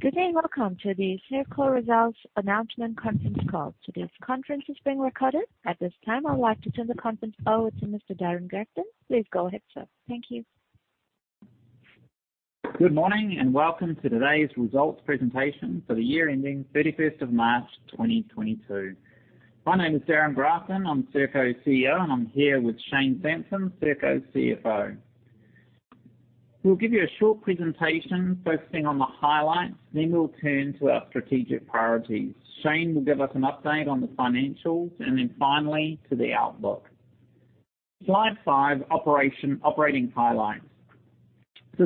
Good day and welcome to the Serko Results Announcement Conference Call. Today's conference is being recorded. At this time, I would like to turn the conference over to Mr. Darrin Grafton. Please go ahead, sir. Thank you. Good morning, and welcome to today's results presentation for the year ending March 31st, 2022. My name is Darrin Grafton. I'm Serko Chief Executive Officer, and I'm here with Shane Sampson, Serko Chief Financial Officer. We'll give you a short presentation focusing on the highlights, then we'll turn to our strategic priorities. Shane will give us an update on the financials and then finally to the outlook. Slide five, operating highlights.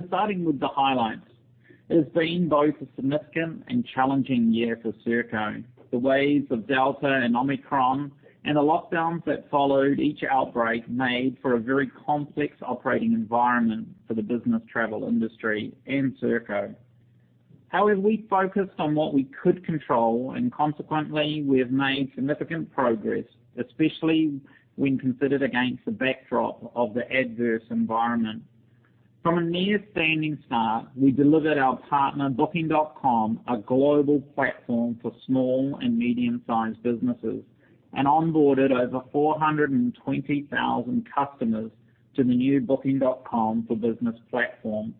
Starting with the highlights, it has been both a significant and challenging year for Serko. The waves of Delta and Omicron and the lockdowns that followed each outbreak made for a very complex operating environment for the business travel industry and Serko. However, we focused on what we could control and consequently we have made significant progress, especially when considered against the backdrop of the adverse environment. From a near standing start, we delivered our partner, Booking.com, a global platform for small and medium-sized businesses, and onboarded over 420,000 customers to the new Booking.com for Business platform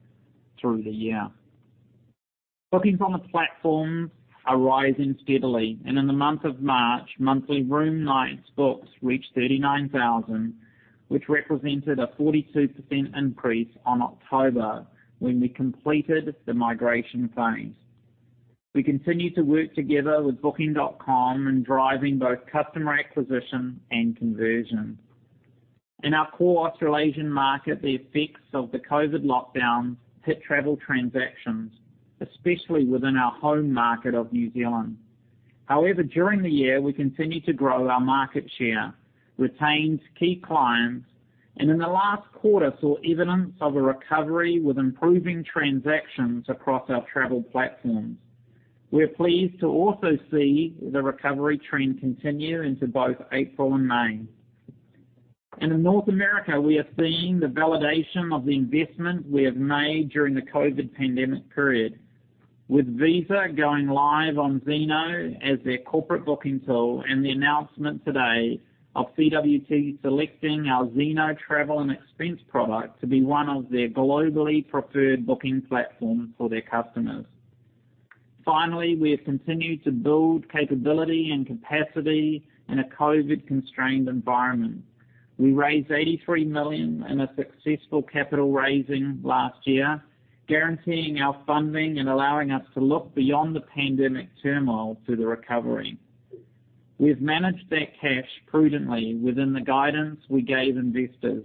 through the year. Bookings on the platforms are rising steadily, and in the month of March, monthly room nights booked reached 39,000, which represented a 42% increase on October when we completed the migration phase. We continue to work together with Booking.com in driving both customer acquisition and conversion. In our core Australasian market, the effects of the COVID lockdowns hit travel transactions, especially within our home market of New Zealand. However, during the year we continued to grow our market share, retained key clients, and in the last quarter, saw evidence of a recovery with improving transactions across our travel platforms. We are pleased to also see the recovery trend continue into both April and May. In North America, we are seeing the validation of the investment we have made during the COVID pandemic period. With Visa going live on Zeno as their corporate booking tool and the announcement today of CWT selecting our Zeno travel and expense product to be one of their globally preferred booking platforms for their customers. Finally, we have continued to build capability and capacity in a COVID constrained environment. We raised 83 million in a successful capital raising last year, guaranteeing our funding and allowing us to look beyond the pandemic turmoil to the recovery. We've managed that cash prudently within the guidance we gave investors.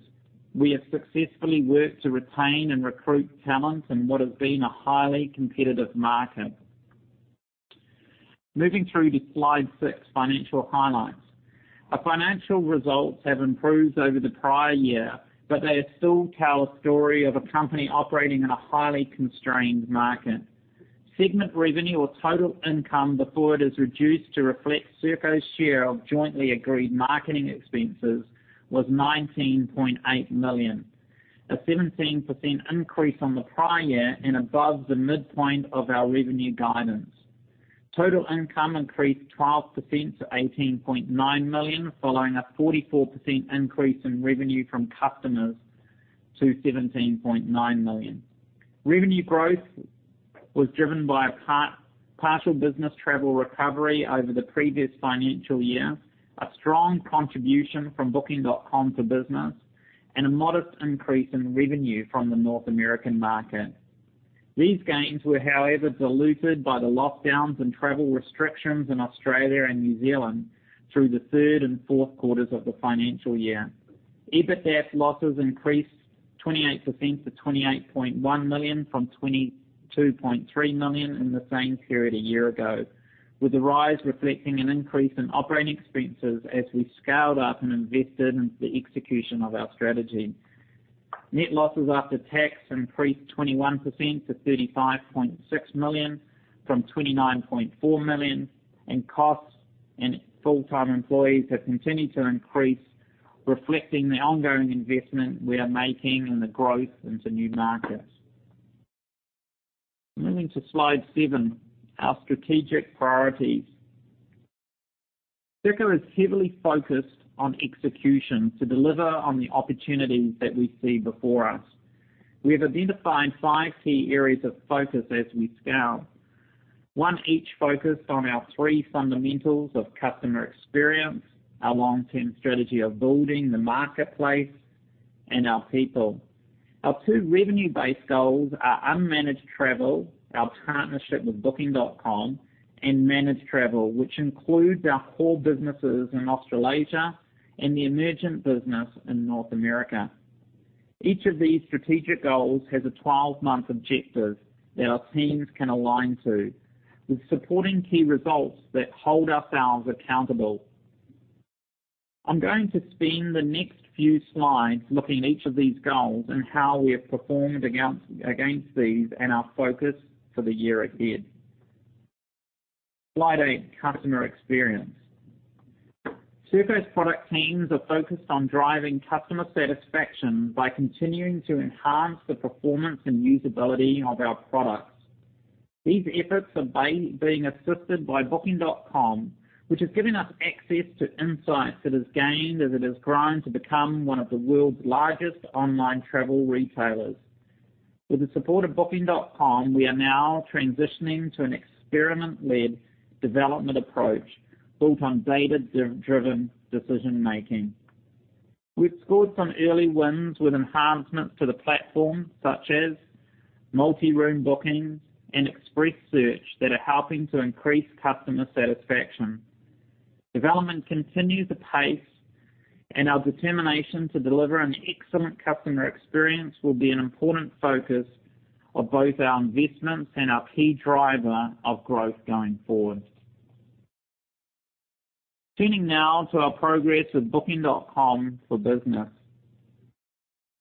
We have successfully worked to retain and recruit talent in what has been a highly competitive market. Moving through to slide six, financial highlights. Our financial results have improved over the prior year, but they still tell a story of a company operating in a highly constrained market. Segment revenue or total income before it is reduced to reflect Serko's share of jointly agreed marketing expenses was 19.8 million, a 17% increase on the prior year and above the midpoint of our revenue guidance. Total income increased 12% to 18.9 million, following a 44% increase in revenue from customers to 17.9 million. Revenue growth was driven by a partial business travel recovery over the previous financial year, a strong contribution from Booking.com for Business, and a modest increase in revenue from the North American market. These gains were, however, diluted by the lockdowns and travel restrictions in Australia and New Zealand through the third and fourth quarters of the financial year. EBITDA losses increased 28% to 28.1 million from 22.3 million in the same period a year ago, with the rise reflecting an increase in operating expenses as we scaled up and invested in the execution of our strategy. Net losses after tax increased 21% to 35.6 million from 29.4 million, and costs and full-time employees have continued to increase, reflecting the ongoing investment we are making in the growth into new markets. Moving to slide seven, our strategic priorities. Serko is heavily focused on execution to deliver on the opportunities that we see before us. We have identified 5 key areas of focus as we scale. One, each focused on our three fundamentals of customer experience, our long-term strategy of building the marketplace, and our people. Our two revenue-based goals are unmanaged travel, our partnership with Booking.com, and managed travel, which includes our core businesses in Australasia and the emergent business in North America. Each of these strategic goals has a 12-month objective that our teams can align to with supporting key results that hold ourselves accountable. I'm going to spend the next few slides looking at each of these goals and how we have performed against these and our focus for the year ahead. Slide eight. Customer experience. Serko's product teams are focused on driving customer satisfaction by continuing to enhance the performance and usability of our products. These efforts are being assisted by Booking.com, which has given us access to insights it has gained as it has grown to become one of the world's largest online travel retailers. With the support of Booking.com, we are now transitioning to an experiment-led development approach built on data-driven decision-making. We've scored some early wins with enhancements to the platform such as multi-room bookings and express search that are helping to increase customer satisfaction. Development continues apace, and our determination to deliver an excellent customer experience will be an important focus of both our investments and our key driver of growth going forward. Turning now to our progress with Booking.com for Business.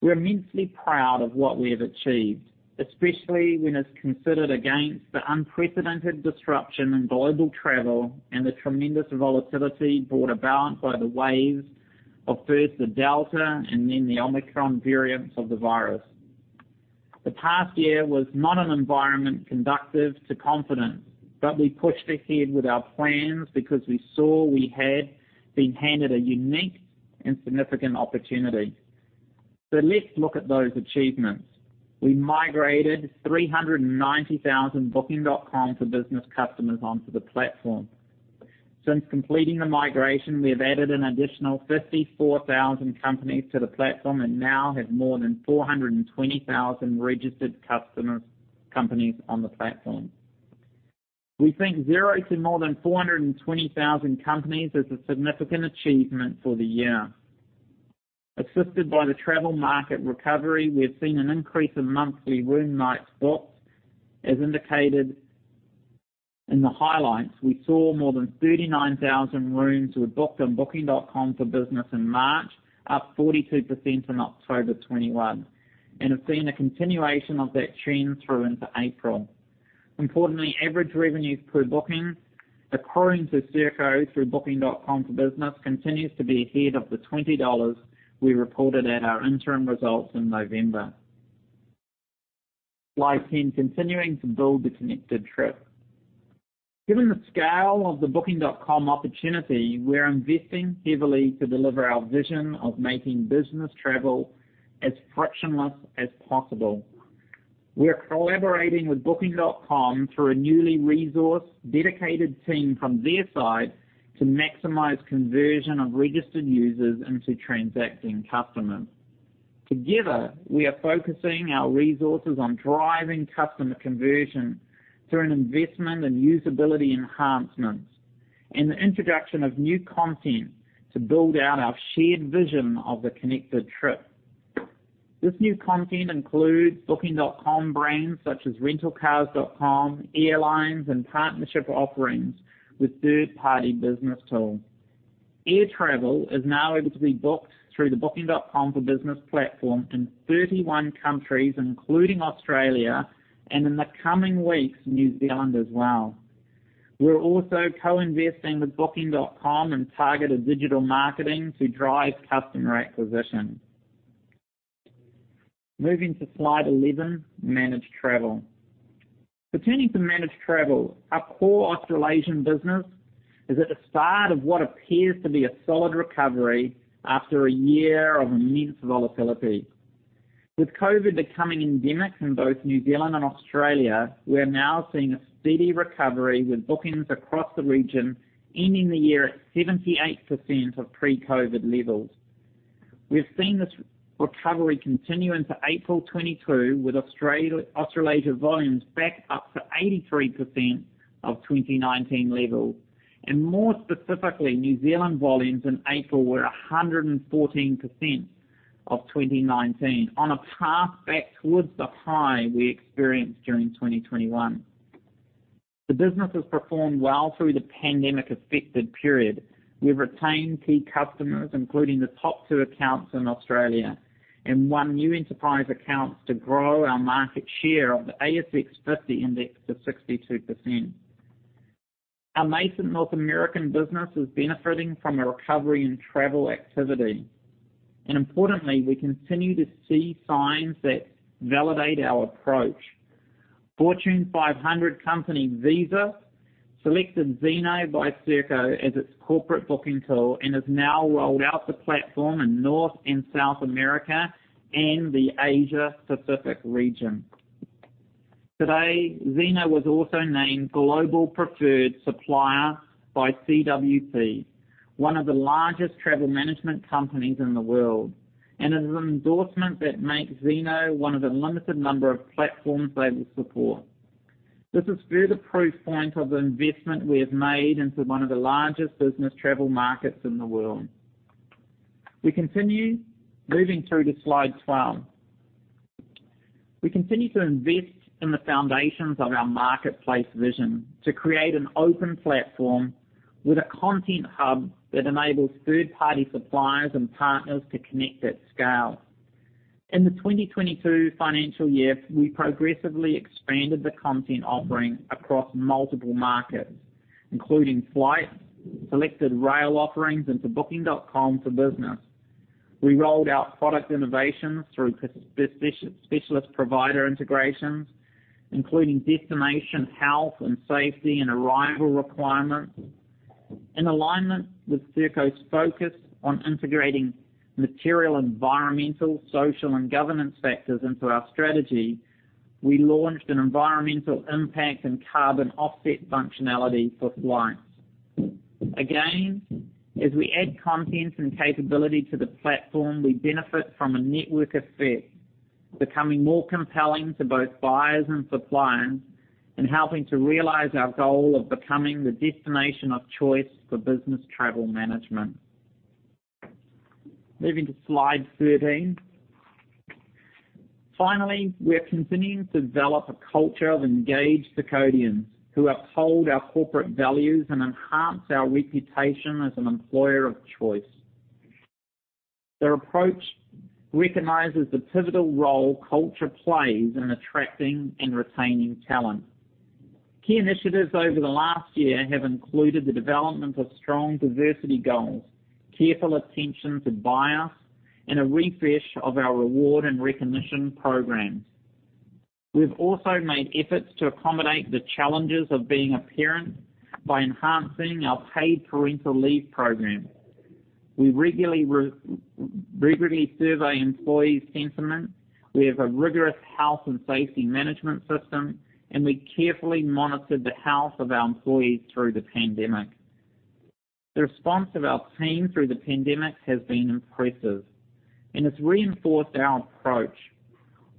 We're immensely proud of what we have achieved, especially when it's considered against the unprecedented disruption in global travel and the tremendous volatility brought about by the waves of first the Delta and then the Omicron variants of the virus. The past year was not an environment conducive to confidence, but we pushed ahead with our plans because we saw we had been handed a unique and significant opportunity. Let's look at those achievements. We migrated 390,000 Booking.com for Business customers onto the platform. Since completing the migration, we have added an additional 54,000 companies to the platform and now have more than 420,000 registered customers, companies on the platform. We think zero to more than 420,000 companies is a significant achievement for the year. Assisted by the travel market recovery, we have seen an increase in monthly room nights booked. As indicated in the highlights, we saw more than 39,000 rooms were booked on Booking.com for Business in March, up 42% from October 2021, and have seen a continuation of that trend through into April. Importantly, average revenues per booking according to Serko through Booking.com for Business continues to be ahead of the $20 we reported at our interim results in November. Slide 10. Continuing to build the Connected Trip. Given the scale of the Booking.com opportunity, we're investing heavily to deliver our vision of making business travel as frictionless as possible. We are collaborating with Booking.com through a newly resourced, dedicated team from their side to maximize conversion of registered users into transacting customers. Together, we are focusing our resources on driving customer conversion through an investment in usability enhancements and the introduction of new content to build out our shared vision of the Connected Trip. This new content includes Booking.com brands such as Rentalcars.com, airlines, and partnership offerings with third-party business tools. Air travel is now able to be booked through the Booking.com for Business platform in 31 countries, including Australia, and in the coming weeks, New Zealand as well. We're also co-investing with Booking.com in targeted digital marketing to drive customer acquisition. Moving to Slide 11, Managed Travel. Returning to Managed Travel, our core Australasian business is at the start of what appears to be a solid recovery after a year of immense volatility. With COVID becoming endemic in both New Zealand and Australia, we are now seeing a steady recovery, with bookings across the region ending the year at 78% of pre-COVID levels. We have seen this recovery continue into April 2022, with Australasia volumes back up to 83% of 2019 levels. More specifically, New Zealand volumes in April were 114% of 2019 on a path back towards the high we experienced during 2021. The business has performed well through the pandemic-affected period. We've retained key customers, including the top two accounts in Australia, and won new enterprise accounts to grow our market share of the S&P/ASX 50 Index to 62%. Our nascent North American business is benefiting from a recovery in travel activity. Importantly, we continue to see signs that validate our approach. Fortune 500 company Visa selected Zeno by Serko as its corporate booking tool and has now rolled out the platform in North and South America and the Asia Pacific region. Today, Zeno was also named Global Preferred Supplier by CWT, one of the largest travel management companies in the world, and it is an endorsement that makes Zeno one of the limited number of platforms they will support. This is further proof point of the investment we have made into one of the largest business travel markets in the world. Moving through to Slide 12. We continue to invest in the foundations of our marketplace vision to create an open platform with a content hub that enables third-party suppliers and partners to connect at scale. In the 2022 financial year, we progressively expanded the content offering across multiple markets, including flight, selected rail offerings into Booking.com for Business. We rolled out product innovations through specialist provider integrations, including destination, health and safety and arrival requirements. In alignment with Serko's focus on integrating material, environmental, social and governance factors into our strategy, we launched an environmental impact and carbon offset functionality for clients. Again, as we add content and capability to the platform, we benefit from a network effect, becoming more compelling to both buyers and suppliers, and helping to realize our goal of becoming the destination of choice for business travel management. Moving to Slide 13. Finally, we are continuing to develop a culture of engaged Serkoians who uphold our corporate values and enhance our reputation as an employer of choice. Their approach recognizes the pivotal role culture plays in attracting and retaining talent. Key initiatives over the last year have included the development of strong diversity goals, careful attention to bias, and a refresh of our reward and recognition programs. We've also made efforts to accommodate the challenges of being a parent by enhancing our paid parental leave program. We regularly rigorously survey employees' sentiments. We have a rigorous health and safety management system, and we carefully monitored the health of our employees through the pandemic. The response of our team through the pandemic has been impressive, and it's reinforced our approach.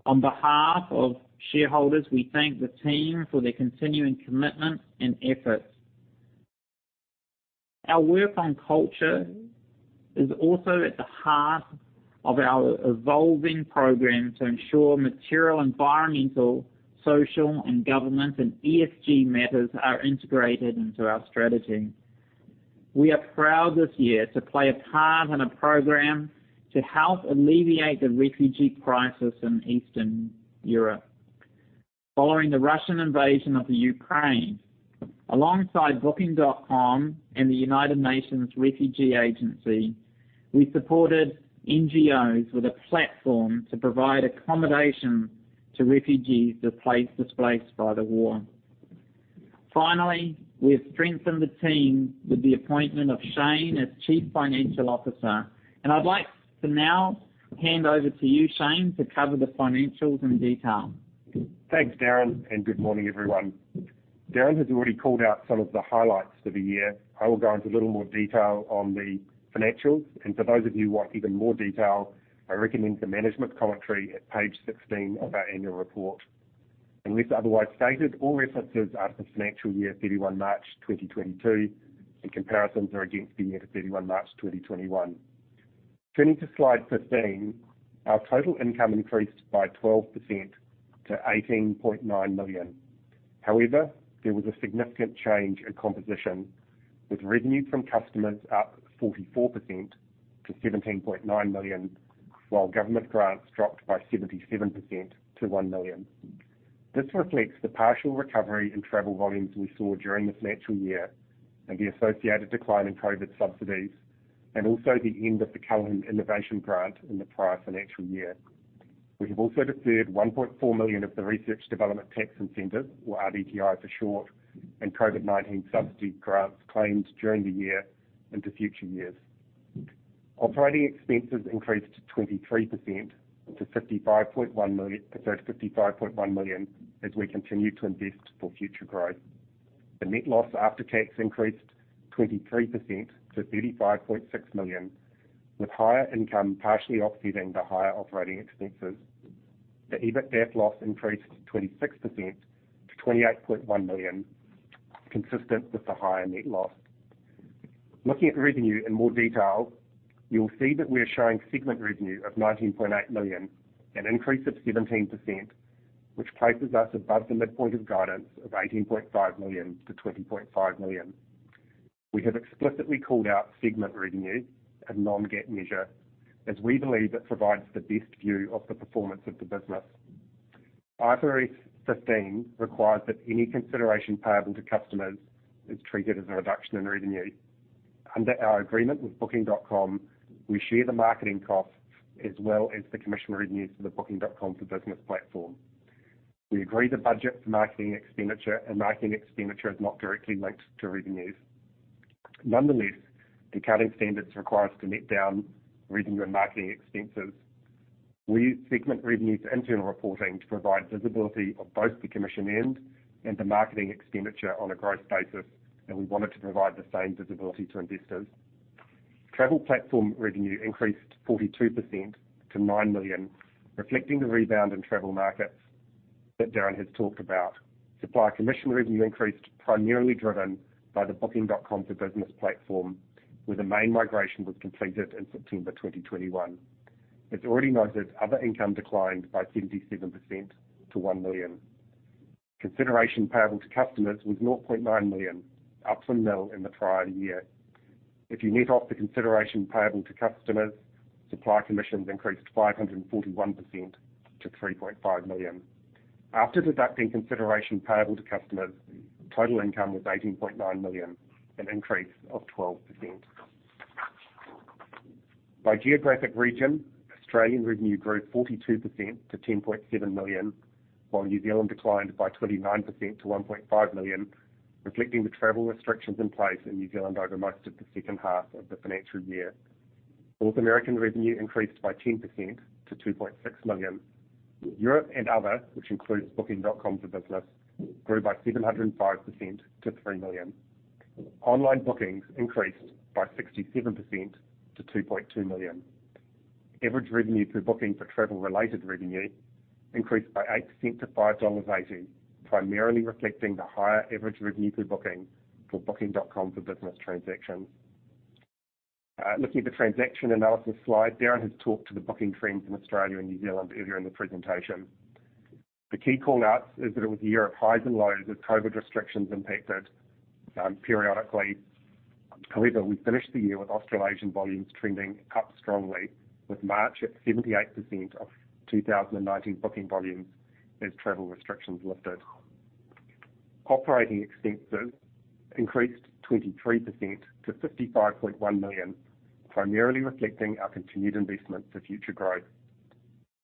On behalf of shareholders, we thank the team for their continuing commitment and efforts. Our work on culture is also at the heart of our evolving program to ensure material, environmental, social and governance and ESG matters are integrated into our strategy. We are proud this year to play a part in a program to help alleviate the refugee crisis in Eastern Europe. Following the Russian invasion of the Ukraine, alongside Booking.com and the United Nations Refugee Agency, we supported NGOs with a platform to provide accommodation to refugees displaced by the war. Finally, we have strengthened the team with the appointment of Shane as Chief Financial Officer, and I'd like to now hand over to you, Shane, to cover the financials in detail. Thanks, Darrin, and good morning, everyone. Darrin has already called out some of the highlights for the year. I will go into a little more detail on the financials, and for those of you who want even more detail, I recommend the management commentary at Page 16 of our annual report. Unless otherwise stated, all references are for financial year March 31st, 2022, and comparisons are against the year to March 31st, 2021. Turning to Slide 15. Our total income increased by 12% to 18.9 million. However, there was a significant change in composition, with revenue from customers up 44% to 17.9 million, while government grants dropped by 77% to 1 million. This reflects the partial recovery in travel volumes we saw during the financial year and the associated decline in COVID subsidies, and also the end of the Callaghan Innovation grant in the prior financial year. We have also deferred 1.4 million of the research development tax incentives or RDTI for short, and COVID-19 subsidy grants claimed during the year into future years. Operating expenses increased 23% to 55.1 million as we continue to invest for future growth. The net loss after tax increased 23% to 35.6 million, with higher income partially offsetting the higher operating expenses. The EBITDAF loss increased 26% to 28.1 million, consistent with the higher net loss. Looking at revenue in more detail, you'll see that we are showing segment revenue of 19.8 million, an increase of 17%, which places us above the midpoint of guidance of 18.5 million-20.5 million. We have explicitly called out segment revenue as a Non-GAAP measure as we believe it provides the best view of the performance of the business. IFRS 15 requires that any consideration payable to customers is treated as a reduction in revenue. Under our agreement with Booking.com, we share the marketing costs as well as the commission revenues for the Booking.com for Business platform. We agree to budget for marketing expenditure, and marketing expenditure is not directly linked to revenues. Nonetheless, the accounting standards require us to net down revenue and marketing expenses. We use segment revenue to internal reporting to provide visibility of both the commission end and the marketing expenditure on a gross basis, and we wanted to provide the same visibility to investors. Travel platform revenue increased 42% to 9 million, reflecting the rebound in travel markets that Darrin has talked about. Supplier commission revenue increased primarily driven by the Booking.com for Business platform, where the main migration was completed in September 2021. As already noted, other income declined by 77% to 1 million. Consideration payable to customers was 0.9 million, up from nil in the prior year. If you net off the consideration payable to customers, supply commissions increased 541% to 3.5 million. After deducting consideration payable to customers, total income was 18.9 million, an increase of 12%. By geographic region, Australian revenue grew 42% to 10.7 million, while New Zealand declined by 29% to 1.5 million, reflecting the travel restrictions in place in New Zealand over most of the second half of the financial year. North American revenue increased by 10% to 2.6 million. Europe and other, which includes Booking.com for Business, grew by 705% to 3 million. Online bookings increased by 67% to 2.2 million. Average revenue per booking for travel-related revenue increased by 8% to 5.80 dollars, primarily reflecting the higher average revenue per booking for Booking.com for Business transactions. Looking at the transaction analysis slide, Darrin has talked to the booking trends in Australia and New Zealand earlier in the presentation. The key call-outs is that it was a year of highs and lows as COVID restrictions impacted periodically. However, we finished the year with Australasian volumes trending up strongly, with March at 78% of 2019 booking volumes as travel restrictions lifted. Operating expenses increased 23% to 55.1 million, primarily reflecting our continued investment for future growth.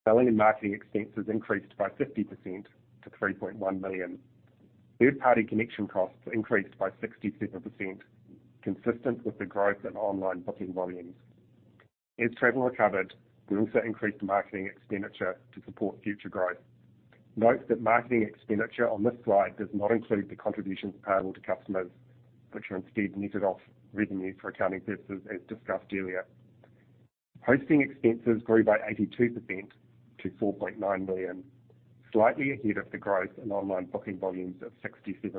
Selling and marketing expenses increased by 50% to 3.1 million. Third-party connection costs increased by 67%, consistent with the growth in online booking volumes. As travel recovered, we also increased marketing expenditure to support future growth. Note that marketing expenditure on this slide does not include the contributions payable to customers, which are instead netted off revenue for accounting purposes, as discussed earlier. Hosting expenses grew by 82% to 4.9 million, slightly ahead of the growth in online booking volumes of 67%.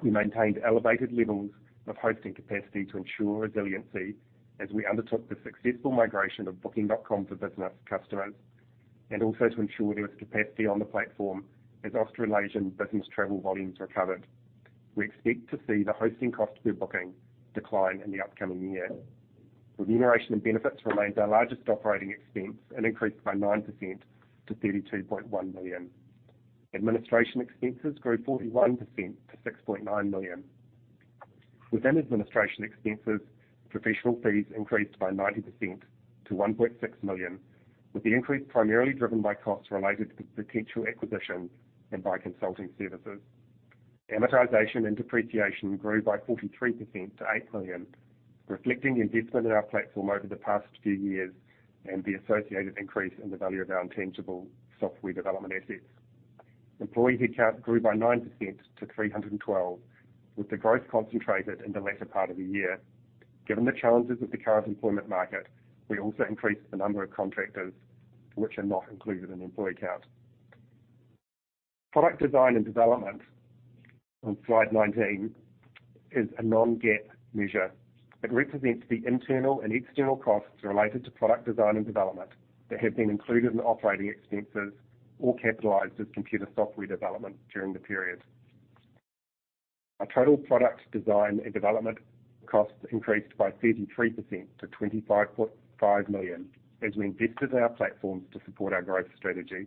We maintained elevated levels of hosting capacity to ensure resiliency as we undertook the successful migration of Booking.com for Business customers, and also to ensure there was capacity on the platform as Australasian business travel volumes recovered. We expect to see the hosting cost per booking decline in the upcoming year. Remuneration and benefits remains our largest operating expense and increased by 9% to 32.1 million. Administration expenses grew 41% to 6.9 million. Within administration expenses, professional fees increased by 90% to 1.6 million, with the increase primarily driven by costs related to potential acquisitions and by consulting services. Amortization and depreciation grew by 43% to 8 million, reflecting the investment in our platform over the past few years and the associated increase in the value of our intangible software development assets. Employee headcount grew by 9% to 312, with the growth concentrated in the latter part of the year. Given the challenges of the current employment market, we also increased the number of contractors, which are not included in employee count. Product design and development, on Slide 19, is a Non-GAAP measure. It represents the internal and external costs related to product design and development that have been included in operating expenses or capitalized as computer software development during the period. Our total product design and development costs increased by 33% to 25.5 million as we invested in our platforms to support our growth strategy.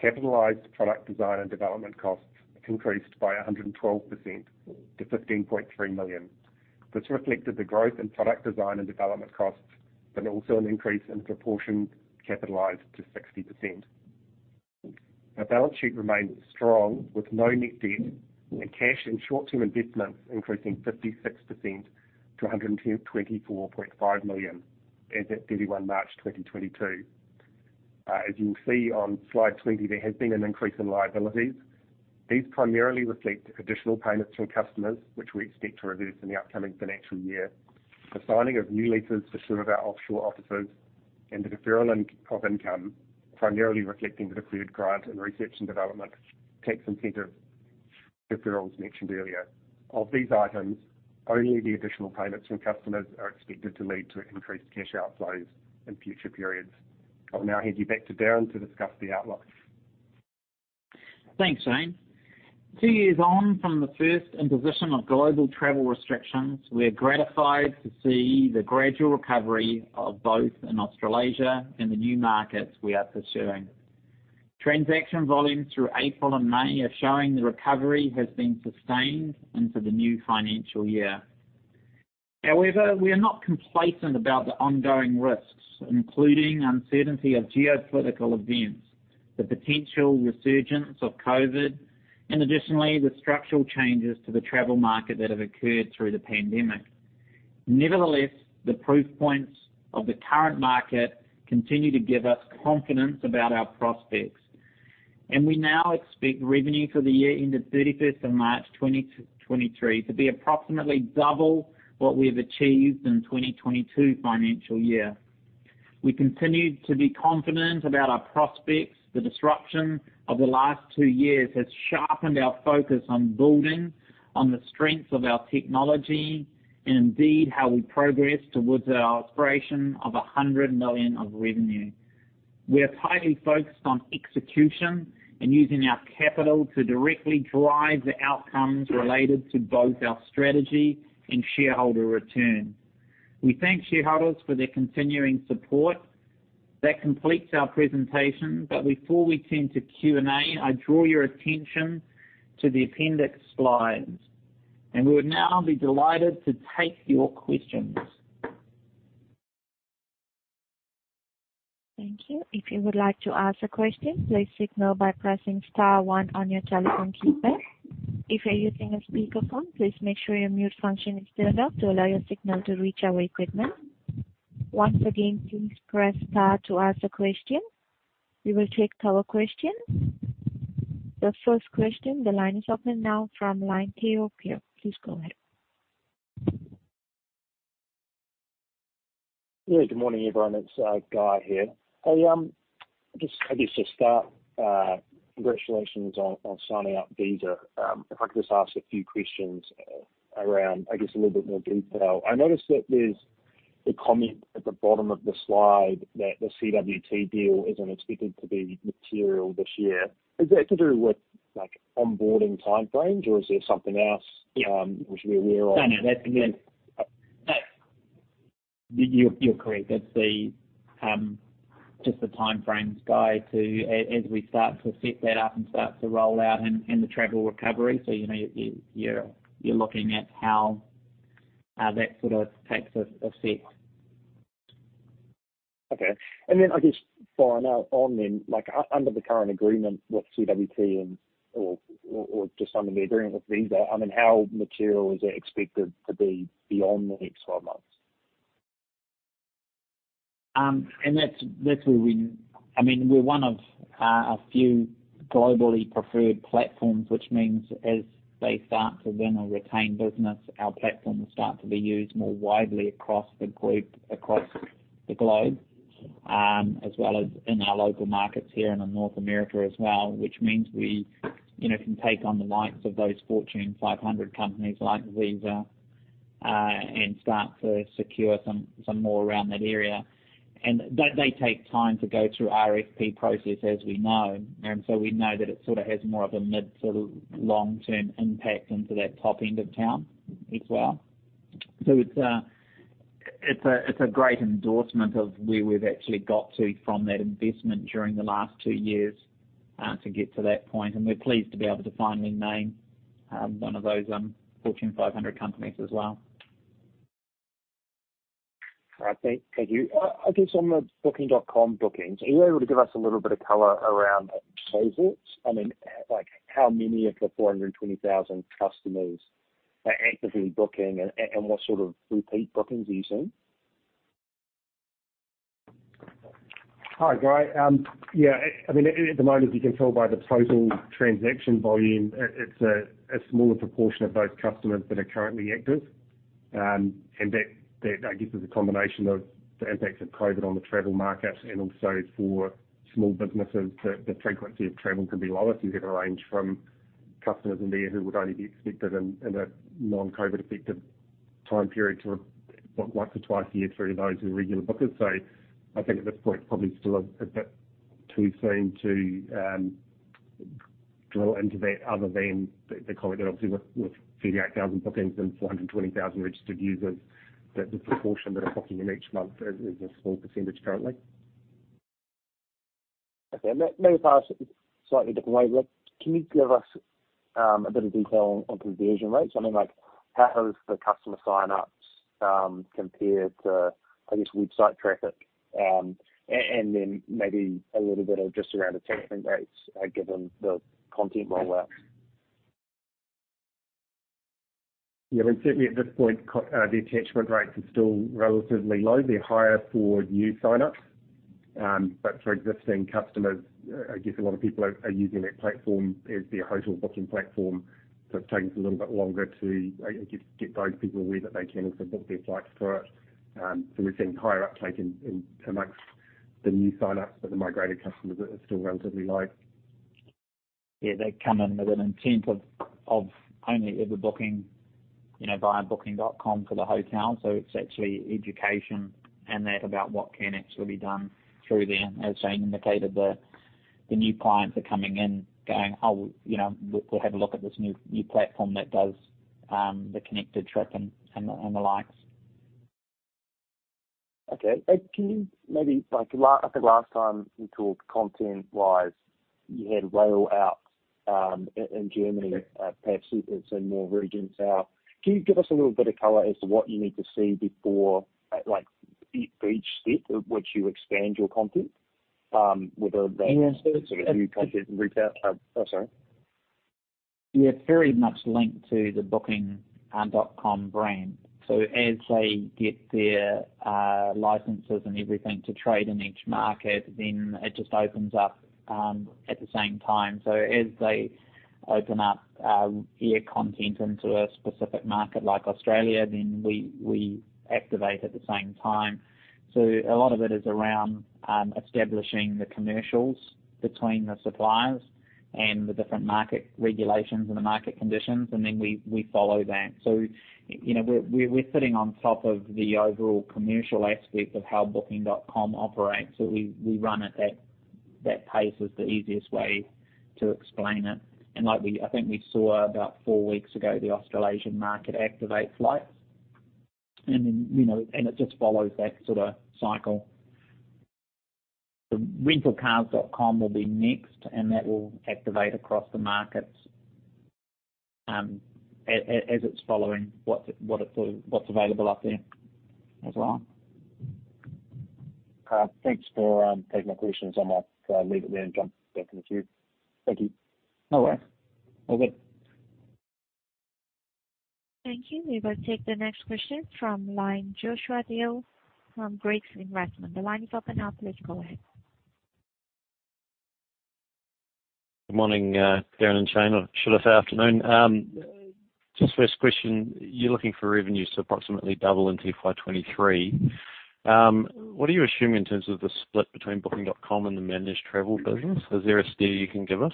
Capitalized product design and development costs increased by 112% to 15.3 million. This reflected the growth in product design and development costs, but also an increase in proportion capitalized to 60%. Our balance sheet remains strong, with no net debt and cash and short-term investments increasing 56% to 124.5 million as at 31 March 2022. As you'll see on Slide 20, there has been an increase in liabilities. These primarily reflect additional payments from customers which we expect to reverse in the upcoming financial year. The signing of new leases for some of our offshore offices and the deferral of income, primarily reflecting the deferred grant in research and development tax incentive deferrals mentioned earlier. Of these items, only the additional payments from customers are expected to lead to increased cash outflows in future periods. I'll now hand you back to Darrin to discuss the outlook. Thanks, Shane. Two years on from the first imposition of global travel restrictions, we are gratified to see the gradual recovery of both in Australasia and the new markets we are pursuing. Transaction volumes through April and May are showing the recovery has been sustained into the new financial year. However, we are not complacent about the ongoing risks, including uncertainty of geopolitical events, the potential resurgence of COVID, and additionally, the structural changes to the travel market that have occurred through the pandemic. Nevertheless, the proof points of the current market continue to give us confidence about our prospects, and we now expect revenue for the year ending thirty-first of March 2023 to be approximately double what we've achieved in 2022 financial year. We continue to be confident about our prospects. The disruption of the last two years has sharpened our focus on building on the strengths of our technology. And indeed how we progress towards our aspiration of 100 million of revenue. We are tightly focused on execution and using our capital to directly drive the outcomes related to both our strategy and shareholder return. We thank shareholders for their continuing support. That completes our presentation, but before we turn to Q&A, I draw your attention to the appendix slides. We would now be delighted to take your questions. Thank you. If you would like to ask a question, please signal by pressing star one on your telephone keypad. If you're using a speakerphone, please make sure your mute function is turned off to allow your signal to reach our equipment. Once again, please press star one to ask a question. We will take our questions. The first question. The line is open now from line two. Please go ahead. Yeah. Good morning, everyone. It's Guy here. I guess to start, congratulations on signing up Visa. If I could just ask a few questions around, I guess, a little bit more detail. I noticed that there's a comment at the bottom of the slide that the CWT deal isn't expected to be material this year. Is that to do with like onboarding time frames, or is there something else? Yeah. we should be aware of? No. That's yeah. You're correct. That's just the time frames, Guy, as we start to set that up and start to roll out in the travel recovery. You know, you're looking at how that sort of takes effect. I guess following up on then, like under the current agreement with CWT and/or just under the agreement with Visa, I mean, how material is it expected to be beyond the next 12 months? That's where we, I mean, we're one of a few globally preferred platforms, which means as they start to win or retain business, our platforms start to be used more widely across the globe, as well as in our local markets here and in North America as well. Which means we, you know, can take on the likes of those Fortune 500 companies like Visa, and start to secure some more around that area. They take time to go through RFP process as we know, and so we know that it sort of has more of a mid sort of long-term impact into that top end of town as well. It's a great endorsement of where we've actually got to from that investment during the last two years to get to that point. We're pleased to be able to finally name one of those Fortune 500 companies as well. All right. Thank you. I guess on the Booking.com bookings, are you able to give us a little bit of color around cohorts? I mean, like how many of the 420,000 customers are actively booking and what sort of repeat bookings are you seeing? Hi, Guy. Yeah, I mean, at the moment, as you can tell by the total transaction volume, it's a smaller proportion of those customers that are currently active. That I guess is a combination of the impacts of COVID on the travel market and also for small businesses, the frequency of travel can be lower. You have a range from customers in there who would only be expected in a non-COVID affected time period to once or twice a year through to those who are regular bookers. I think at this point, probably still a bit too soon to drill into that other than the call that obviously with 38,000 bookings and 420,000 registered users, that the proportion that are booking in each month is a small percentage currently. Okay. Maybe if I ask it a slightly different way, look, can you give us a bit of detail on conversion rates? I mean, like, how does the customer sign-ups compare to, I guess, website traffic? And then maybe a little bit of just around attachment rates, given the content rollout. Yeah. I mean, certainly at this point, the attachment rates are still relatively low. They're higher for new sign-ups. But for existing customers, I guess a lot of people are using that platform as their hotel booking platform, so it's taking a little bit longer to, I guess, get those people aware that they can also book their flights through it. We're seeing higher uptake in amongst the new sign-ups, but the migrated customers are still relatively low. Yeah. They come in with an intent of only ever booking, you know, via Booking.com for the hotel. It's actually education and that about what can actually be done through there. As Shane indicated, the new clients are coming in going, "Oh, you know, we'll have a look at this new platform that does the Connected Trip and the likes. Okay. I think last time we talked content-wise, you had rail out in Germany, perhaps it's in more regions now. Can you give us a little bit of color as to what you need to see before, like for each step at which you expand your content? Whether that's Yeah. Sort of new content reached out. Sorry. We are very much linked to the Booking.com brand. As they get their licenses and everything to trade in each market, then it just opens up at the same time. As they open up air content into a specific market like Australia, then we activate at the same time. A lot of it is around establishing the commercials between the suppliers and the different market regulations and the market conditions, and then we follow that. You know, we're sitting on top of the overall commercial aspect of how Booking.com operates. We run it at that pace, is the easiest way to explain it. Like, I think we saw about four weeks ago, the Australasian market activate flights. Then, you know, it just follows that sort of cycle. The Rentalcars.com will be next, and that will activate across the markets, as it's following what's available up there as well. Thanks for taking my questions. I'm off. I'll leave it there and jump back in the queue. Thank you. No worries. All good. Thank you. We will take the next question from line, Joshua Dale from Craigs Investment Partners. The line is open now, please go ahead. Good morning, Darrin and Shane, or should I say afternoon. Just first question, you're looking for revenues to approximately double in T5 2023. What are you assuming in terms of the split between Booking.com and the managed travel business? Is there a steer you can give us?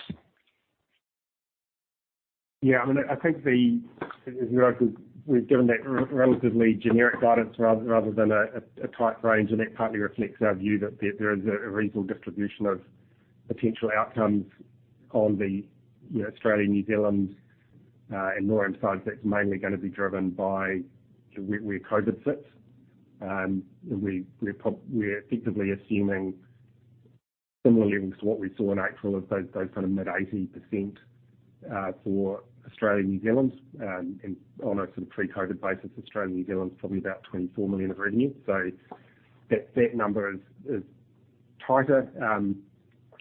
I mean, I think as we've given that relatively generic guidance rather than a tight range. That partly reflects our view that there is a regional distribution of potential outcomes in the, you know, Australia, New Zealand, and North America that's mainly going to be driven by where COVID sits. We're effectively assuming similar levels to what we saw in April of those kind of mid-80% for Australia, New Zealand. On a sort of pre-COVID basis, Australia, New Zealand is probably about 24 million of revenue. That number is tighter,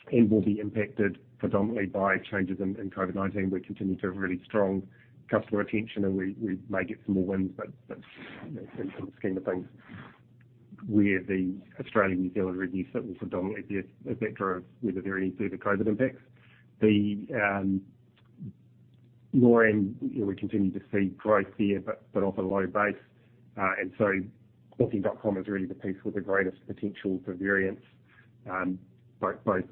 and will be impacted predominantly by changes in COVID-19. We continue to have really strong customer retention, and we may get some more wins. In the scheme of things where the Australian-New Zealand revenue sits will predominantly be a vector of whether there are any further COVID impacts. We continue to see growth there, but off a low base. Booking.com is really the piece with the greatest potential for variance, both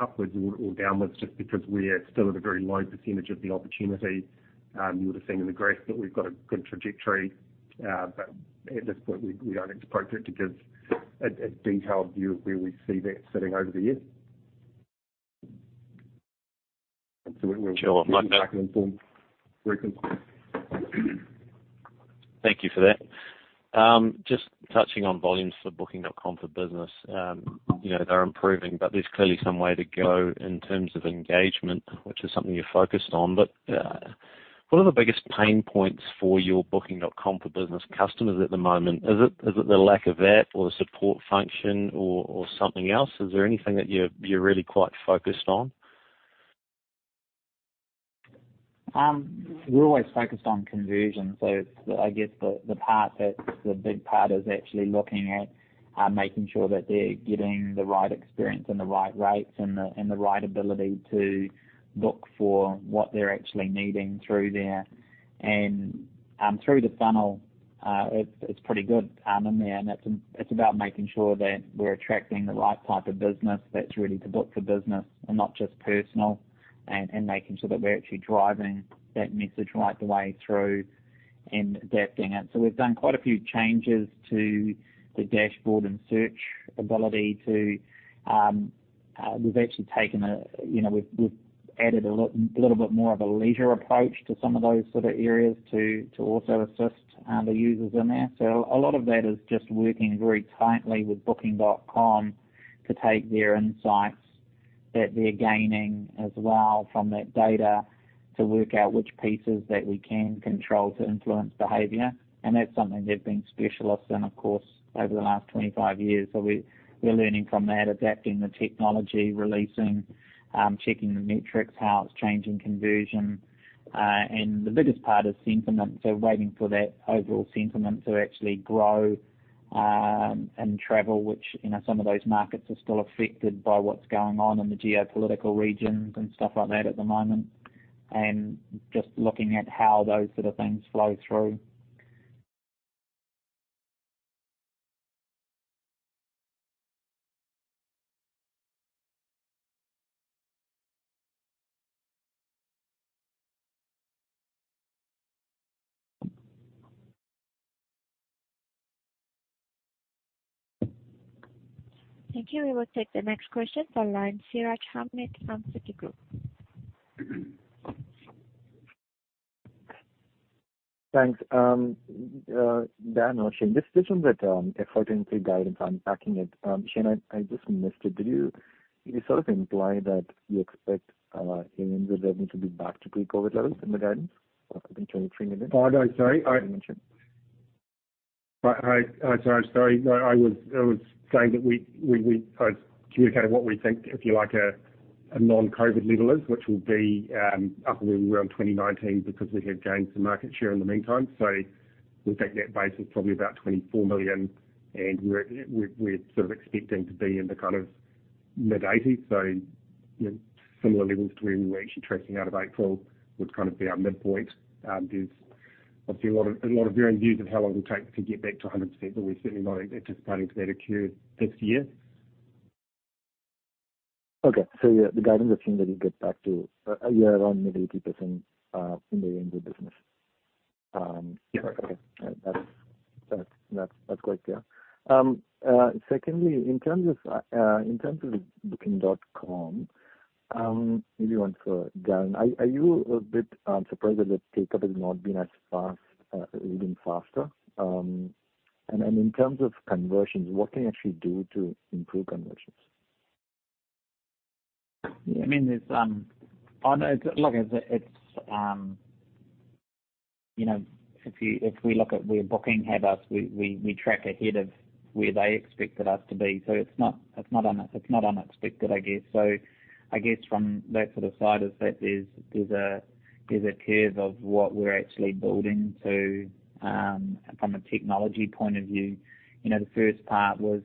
upward or downward, just because we're still at a very low percentage of the opportunity. You would have seen in the graphs that we've got a good trajectory. At this point, we don't expect it to give a detailed view of where we see that sitting over the year. Sure. Thank you for that. Just touching on volumes for Booking.com for Business. You know, they're improving, but there's clearly some way to go in terms of engagement, which is something you're focused on. What are the biggest pain points for your Booking.com for Business customers at the moment? Is it the lack of that or the support function or something else? Is there anything that you're really quite focused on? We're always focused on conversion. I guess the big part is actually looking at making sure that they're getting the right experience and the right rates and the right ability to look for what they're actually needing through there. Through the funnel, it's pretty good in there. It's about making sure that we're attracting the right type of business that's ready to book for business and not just personal, and making sure that we're actually driving that message right the way through and adapting it. We've done quite a few changes to the dashboard and search ability to. We've actually taken a you know, we've added a little bit more of a leisure approach to some of those sort of areas to also assist the users in there. A lot of that is just working very tightly with Booking.com to take their insights that they're gaining as well from that data to work out which pieces that we can control to influence behavior. That's something they've been specialists in, of course, over the last 25 years. We're learning from that, adapting the technology, releasing, checking the metrics, how it's changing conversion. The biggest part is sentiment. Waiting for that overall sentiment to actually grow in travel, which, you know, some of those markets are still affected by what's going on in the geopolitical regions and stuff like that at the moment. Just looking at how those sort of things flow through. Thank you. We will take the next question from line, Siraj Ahmed from Citigroup. Thanks. Dan or Shane, just building that effort into guidance, unpacking it. Shane, I just missed it. Did you sort of imply that you expect your revenue to be back to pre-COVID levels in the guidance for 2023 million? Oh, no. Sorry. You mentioned. I was saying that I was communicating what we think, if you like, a non-COVID level is, which will be up around 2019 because we have gained some market share in the meantime. We think that base is probably about 24 million, and we're sort of expecting to be in the kind of mid-80%. You know, similar levels to where we were actually tracking out of April would kind of be our midpoint. There's obviously a lot of varying views of how long it will take to get back to 100%, but we're certainly not anticipating that occur this year. Okay. Yeah, the guidance assuming that you get back to a year on maybe 80% in the end of business. Correct. Okay. That's quite clear. Secondly, in terms of Booking.com, maybe one for Glenn. Are you a bit surprised that the take-up has not been as fast, even faster? In terms of conversions, what can you actually do to improve conversions? Yeah, I mean, look, it's you know, if we look at where Booking had us, we track ahead of where they expected us to be. It's not unexpected, I guess. I guess from that sort of side of that, there's a curve of what we're actually building to from a technology point of view. You know, the first part was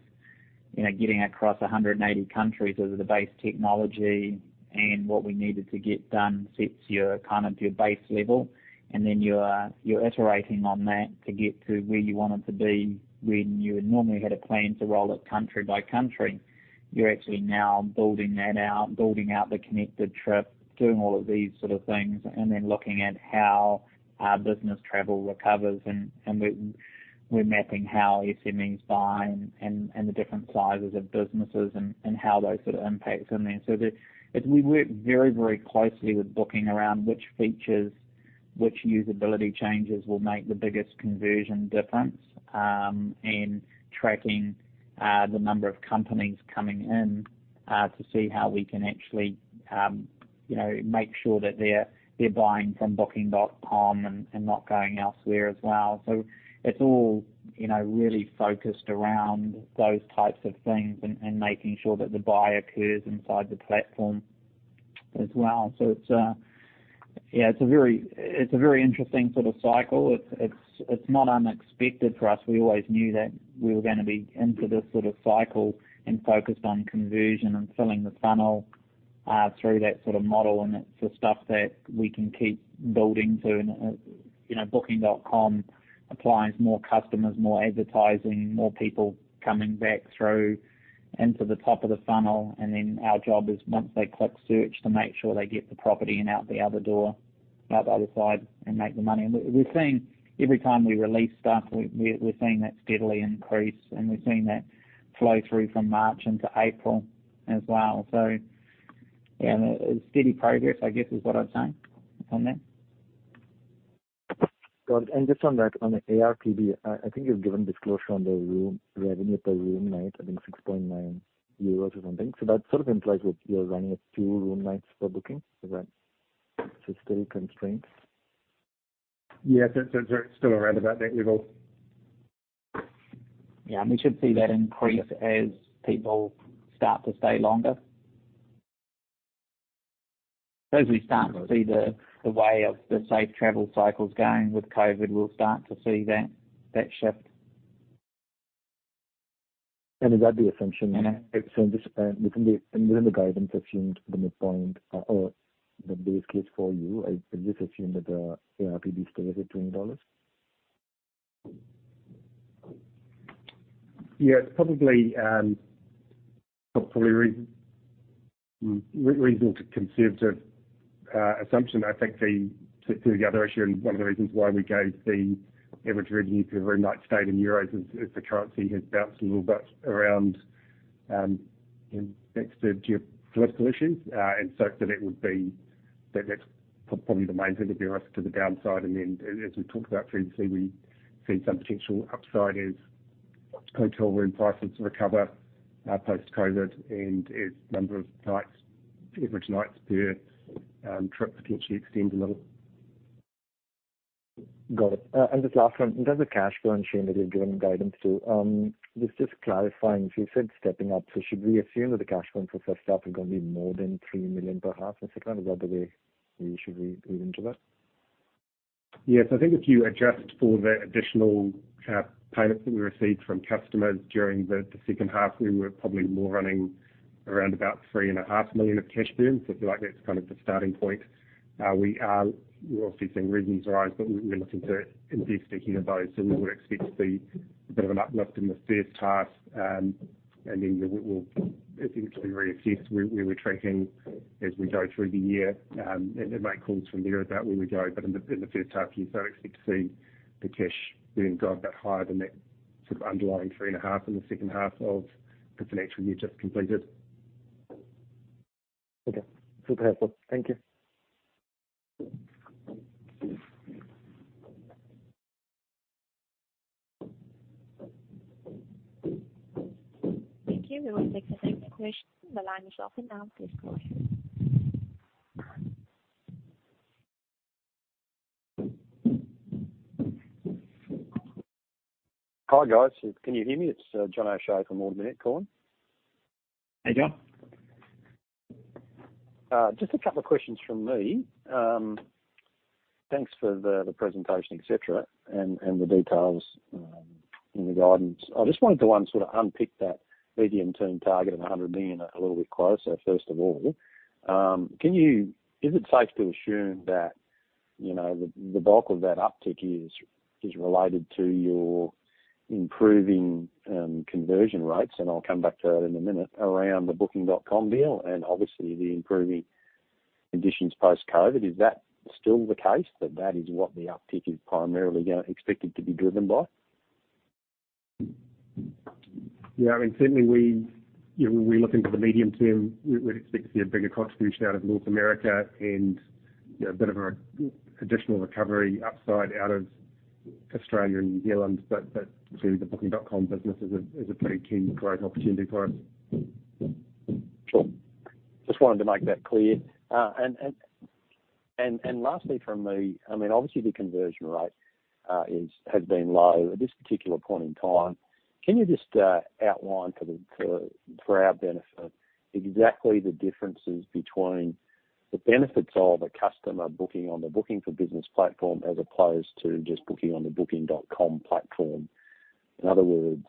you know, getting across 100 countries as the base technology and what we needed to get done sets your kind of base level, and then you're iterating on that to get to where you wanted to be when you would normally had a plan to roll it country by country. You're actually now building that out, building out the Connected Trip, doing all of these sort of things, and then looking at how our business travel recovers. We're mapping how SMEs buy and the different sizes of businesses and how those sort of impacts in there. As we work very, very closely with Booking around which features, which usability changes will make the biggest conversion difference, in tracking the number of companies coming in, to see how we can actually, you know, make sure that they're buying from Booking.com and not going elsewhere as well. It's all, you know, really focused around those types of things and making sure that the buy occurs inside the platform as well. It's, yeah, it's a very interesting sort of cycle. It's not unexpected for us. We always knew that we were gonna be into this sort of cycle and focused on conversion and filling the funnel through that sort of model, and it's the stuff that we can keep building to. You know, Booking.com applies more customers, more advertising, more people coming back through into the top of the funnel, and then our job is once they click search, to make sure they get the property and out the other door, out the other side and make the money. We're seeing every time we release stuff, we're seeing that steadily increase, and we've seen that flow through from March into April as well. Yeah, a steady progress, I guess, is what I'm saying on that. Got it. Just on that, on the ARPB, I think you've given disclosure on the room revenue per room night, I think 6.9 euros or something. That sort of implies that you're running a few room nights for Booking. Is that still constrained? Yes. It's still around about that level. Yeah. We should see that increase as people start to stay longer. As we start to see the way of the safe travel cycles going with COVID, we'll start to see that shift. Is that the assumption? Just within the guidance assumed the midpoint or the base case for you, is this assumed that the ARPB stays at $20? It's probably reasonable to conserve the assumption. I think the other issue and one of the reasons why we gave the average revenue per room night stay in euros is the currency has bounced a little bit around, you know, thanks to geopolitical issues. That would be. That's probably the main risk to the downside. As we talked about previously, we see some potential upside as hotel room prices recover post-COVID and as average nights per trip potentially extend a little. Got it. Just last one. In terms of cash burn, Shane, that you've given guidance to, just clarifying, so you said stepping up, so should we assume that the cash burn for first half is gonna be more than 3 million per half? Is that kind of where the way we should read into that? Yes. I think if you adjust for the additional payments that we received from customers during the second half, we were probably more running around about 3.5 million of cash burn. I feel like that's kind of the starting point. We're obviously seeing revenues rise, but we're looking to invest ahead of those. We would expect to see a bit of an uplift in the first half. We'll essentially reassess where we're tracking as we go through the year, and then make calls from there about where we go. In the first half year, expect to see the cash burn go a bit higher than that sort of underlying 3.5 in the second half of the financial year just completed. Okay. Super helpful. Thank you. Thank you. We will take the next question. The line is open now. Please go ahead. Hi, guys. Can you hear me? It's John O'Shea from Ord Minnett. Go on. Hey, John. Just a couple of questions from me. Thanks for the presentation, et cetera, and the details in the guidance. I just wanted to, one, sort of unpick that medium-term target of 100 million a little bit closer, first of all. Is it safe to assume that, you know, the bulk of that uptick is related to your improving conversion rates, and I'll come back to that in a minute, around the Booking.com deal and obviously the improving conditions post-COVID? Is that still the case, that is what the uptick is primarily expected to be driven by? Yeah, I mean, certainly we, you know, when we look into the medium term, we'd expect to see a bigger contribution out of North America and, you know, a bit of additional recovery upside out of Australia and New Zealand. But clearly the Booking.com business is a pretty key growth opportunity for us. Sure. Just wanted to make that clear. Lastly from me, I mean, obviously the conversion rate has been low at this particular point in time. Can you just outline for our benefit exactly the differences between the benefits of a customer booking on the Booking.com for Business platform as opposed to just booking on the Booking.com platform. In other words,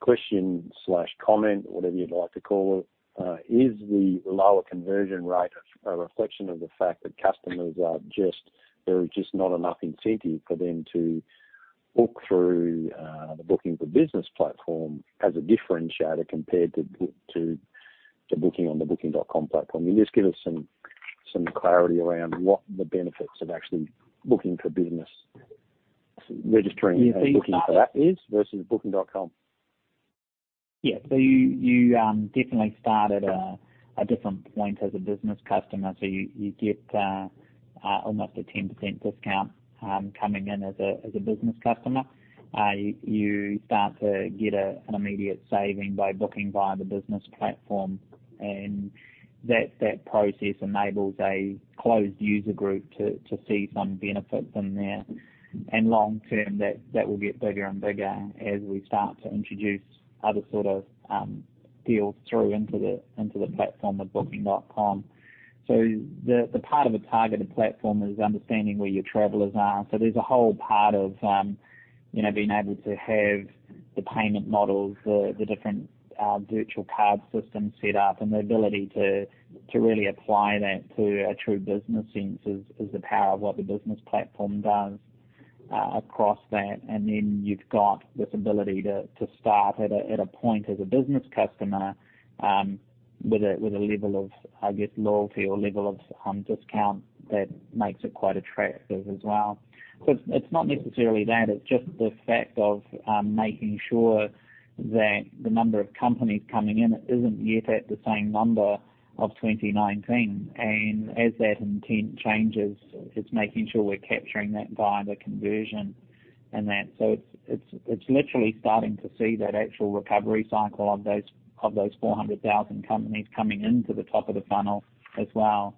question/comment, whatever you'd like to call it, is the lower conversion rate a reflection of the fact that there is just not enough incentive for them to book through the Booking.com for Business platform as a differentiator compared to booking on the Booking.com platform? Can you just give us some clarity around what the benefits of actually Booking.com for Business, registering- Yeah. booking for that is versus Booking.com? Yeah, you definitely start at a different point as a business customer. You get almost a 10% discount coming in as a business customer. You start to get an immediate saving by booking via the business platform, and that process enables a closed user group to see some benefits in there. Long-term, that will get bigger and bigger as we start to introduce other sort of deals through into the platform of Booking.com. The part of a targeted platform is understanding where your travelers are. There's a whole part of, you know, being able to have the payment models, the different virtual card systems set up, and the ability to really apply that to a true business sense is the power of what the business platform does across that. You've got this ability to start at a point as a business customer, with a level of, I guess, loyalty or level of discount that makes it quite attractive as well. It's not necessarily that, it's just the fact of making sure that the number of companies coming in isn't yet at the same number of 2019. As that intent changes, it's making sure we're capturing that via the conversion. It's literally starting to see that actual recovery cycle of those 400,000 companies coming into the top of the funnel as well.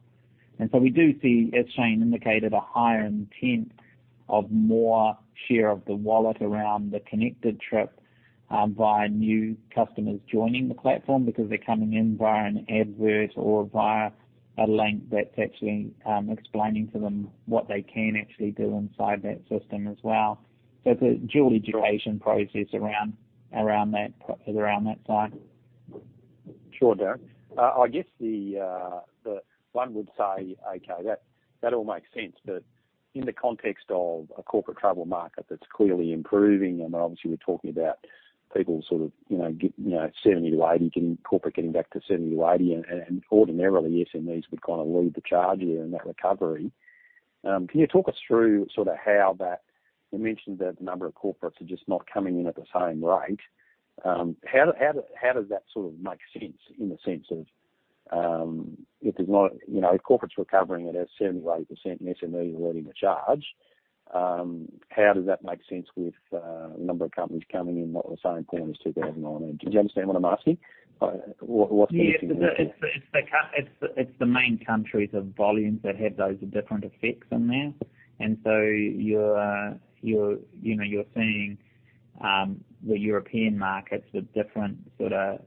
We do see, as Shane indicated, a higher intent of more share of the wallet around the Connected Trip via new customers joining the platform because they're coming in via an advert or via a link that's actually explaining to them what they can actually do inside that system as well. It's a dual education process around that side. Sure, Darrin. I guess one would say, "Okay, that all makes sense." In the context of a corporate travel market that's clearly improving, I mean, obviously we're talking about people sort of, you know, 70%-80%, corporate getting back to 70%-80%, and ordinarily SMEs would kind of lead the charge there in that recovery. Can you talk us through sort of how that you mentioned that the number of corporates are just not coming in at the same rate. How does that sort of make sense in the sense of, if there's not, you know, corporates recovering at 70%-80% and SMEs are leading the charge, how does that make sense with the number of companies coming in not at the same point as 2019? Do you understand what I'm asking? What's the missing link there? It's the main countries of volumes that have those different effects in there. You're seeing the European markets with different sort of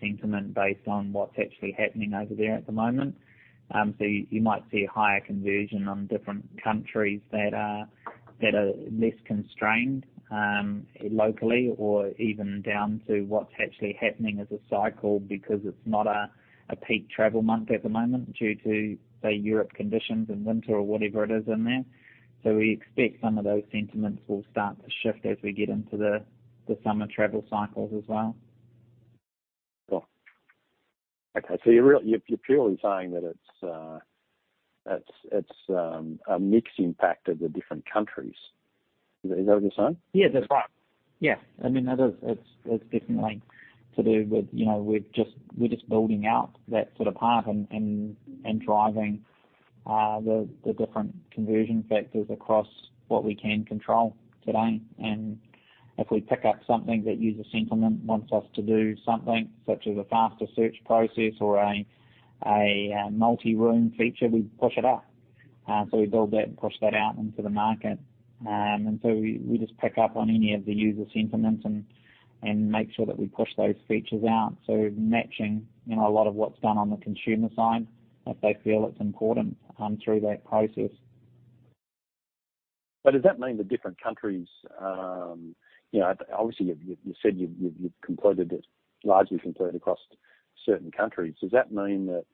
sentiment based on what's actually happening over there at the moment. You might see a higher conversion on different countries that are less constrained locally or even down to what's actually happening as a cycle because it's not a peak travel month at the moment due to, say, European conditions and winter or whatever it is in there. We expect some of those sentiments will start to shift as we get into the summer travel cycles as well. Cool. Okay. You're purely saying that it's a mixed impact of the different countries. Is that what you're saying? Yeah, that's right. Yeah. I mean, it is, it's definitely to do with, you know, we're just building out that sort of part and driving the different conversion factors across what we can control today. If we pick up something that user sentiment wants us to do something, such as a faster search process or a multi-room feature, we push it up. We build that and push that out into the market. We just pick up on any of the user sentiments and make sure that we push those features out. Matching, you know, a lot of what's done on the consumer side, if they feel it's important, through that process. does that mean the different countries, you know, obviously you said you've completed it, largely completed across certain countries. Does that mean that,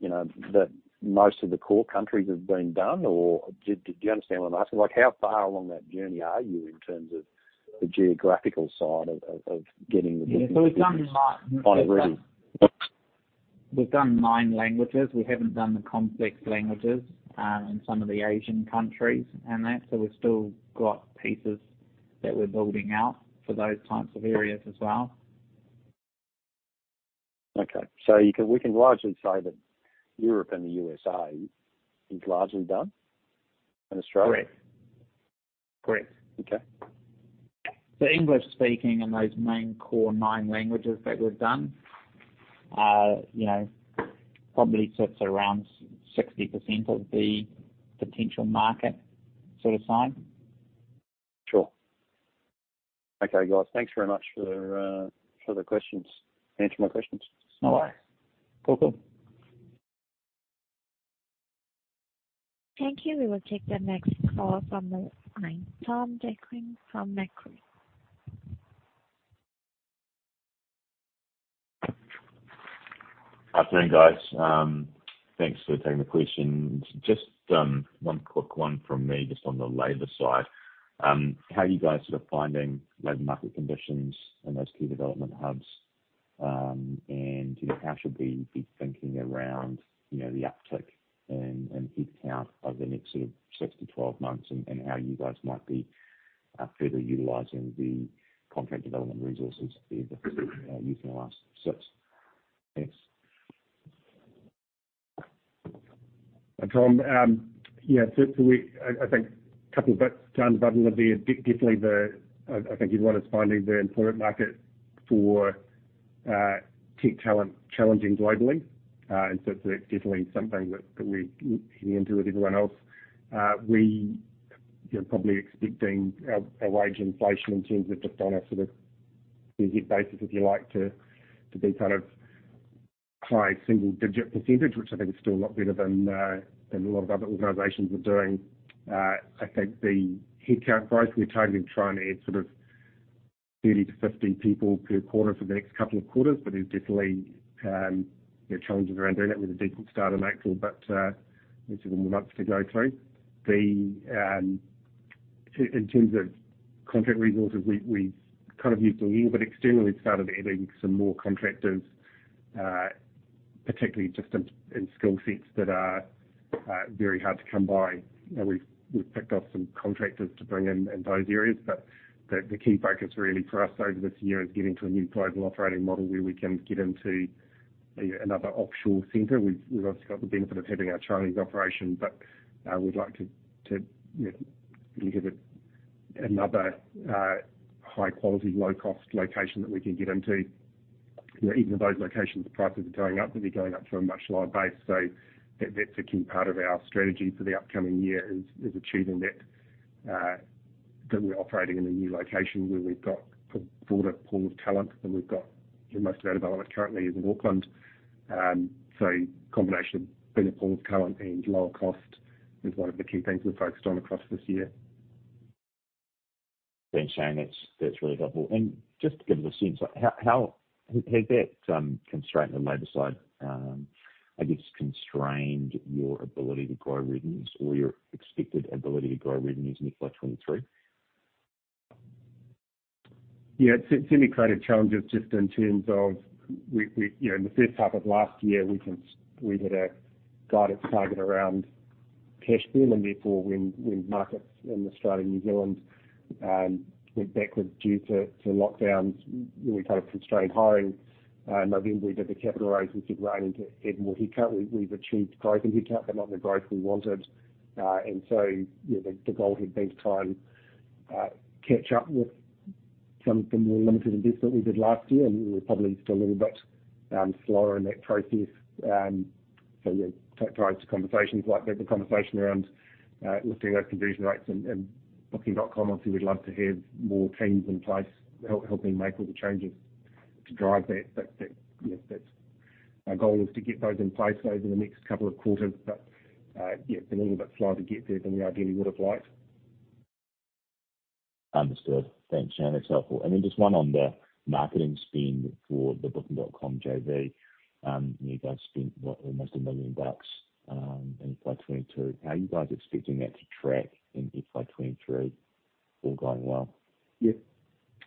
you know, that most of the core countries have been done? Or do you understand what I'm asking? Like, how far along that journey are you in terms of the geographical side of getting the business kind of ready? We've done nine languages. We haven't done the complex languages in some of the Asian countries and that. We've still got pieces that we're building out for those types of areas as well. We can largely say that Europe and the USA is largely done, and Australia? Correct. Correct. Okay. The English speaking and those main core nine languages that we've done, you know, probably sits around 60% of the potential market sort of side. Sure. Okay, guys. Thanks very much for the questions, answering my questions. No worry. Cool, cool. Thank you. We will take the next call from the line. Tom Deakin from Macquarie. Afternoon, guys. Thanks for taking the questions. Just one quick one from me, just on the labor side. How are you guys sort of finding labor market conditions in those key development hubs? And, you know, how should we be thinking around, you know, the uptick in headcount over the next sort of six months to 12 months, and how you guys might be further utilizing the contract development resources that you've been using the last 6 months? Tom Deakin, I think a couple of bits to unpack would be definitely the, I think you'd find us facing the employment market for tech talent challenging globally. That's definitely something that we're leaning into with everyone else. We, you know, probably expecting a wage inflation in terms of just on a sort of year-on-year basis, if you like, to be kind of high single-digit %, which I think is still a lot better than a lot of other organizations are doing. I think the headcount growth, we're targeting to try and add sort of 30 people-50 people per quarter for the next couple of quarters. There's definitely, you know, challenges around doing that with a decent start in April. We've still got more months to go through. In terms of contract resources, we've kind of used a little, but externally started adding some more contractors, particularly just in skill sets that are very hard to come by. You know, we've picked up some contractors to bring in those areas, but the key focus really for us over this year is getting to a new global operating model where we can get into another offshore center. We've obviously got the benefit of having our Chinese operation, but we'd like to give it another high quality, low cost location that we can get into. You know, even those locations, the prices are going up, but they're going up to a much lower base. That's a key part of our strategy for the upcoming year is achieving that we're operating in a new location where we've got a broader pool of talent than we've got. Most of our development currently is in Auckland. Combination of better pool of talent and lower cost is one of the key things we're focused on across this year. Thanks, Shane. That's really helpful. Just to get a sense, like how has that constraint on the labor side, I guess, constrained your ability to grow revenues or your expected ability to grow revenues in FY 2023? It's certainly created challenges just in terms of we you know in the first half of last year we had a guidance target around cash burn and therefore when markets in Australia and New Zealand went backwards due to lockdowns we kind of constrained hiring. November we did the capital raise and said right I need to add more headcount. We've achieved growth in headcount but not the growth we wanted. You know the goal had been to try and catch up with some more limited investment we did last year and we're probably just a little bit slower in that process. Yeah, tied to conversations like that, the conversation around lifting those conversion rates and Booking.com, obviously we'd love to have more teams in place helping make all the changes to drive that. That, you know, that's our goal is to get those in place over the next couple of quarters. Yeah, it's been a little bit slower to get there than we ideally would have liked. Understood. Thanks, Shane. That's helpful. Then just one on the marketing spend for the Booking.com JV. You guys spent, what? Almost 1 million bucks in FY 2022. How are you guys expecting that to track in FY 2023, all going well?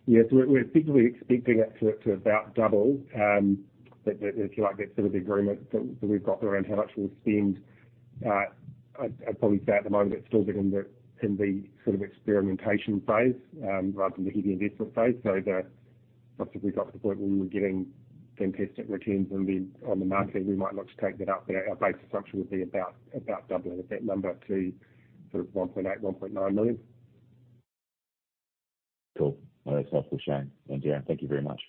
Yes. Yes. We're typically expecting it to about double the, if you like, that sort of agreement that we've got around how much we'll spend. I'd probably say at the moment it's still been in the sort of experimentation phase rather than the heavy investment phase. Once we got to the point where we're getting fantastic returns on the marketing, we might look to take that up. Our base assumption would be about doubling that number to sort of 1.8 million-1.9 million. Cool. All right. That's helpful, Shane and Darrin, thank you very much.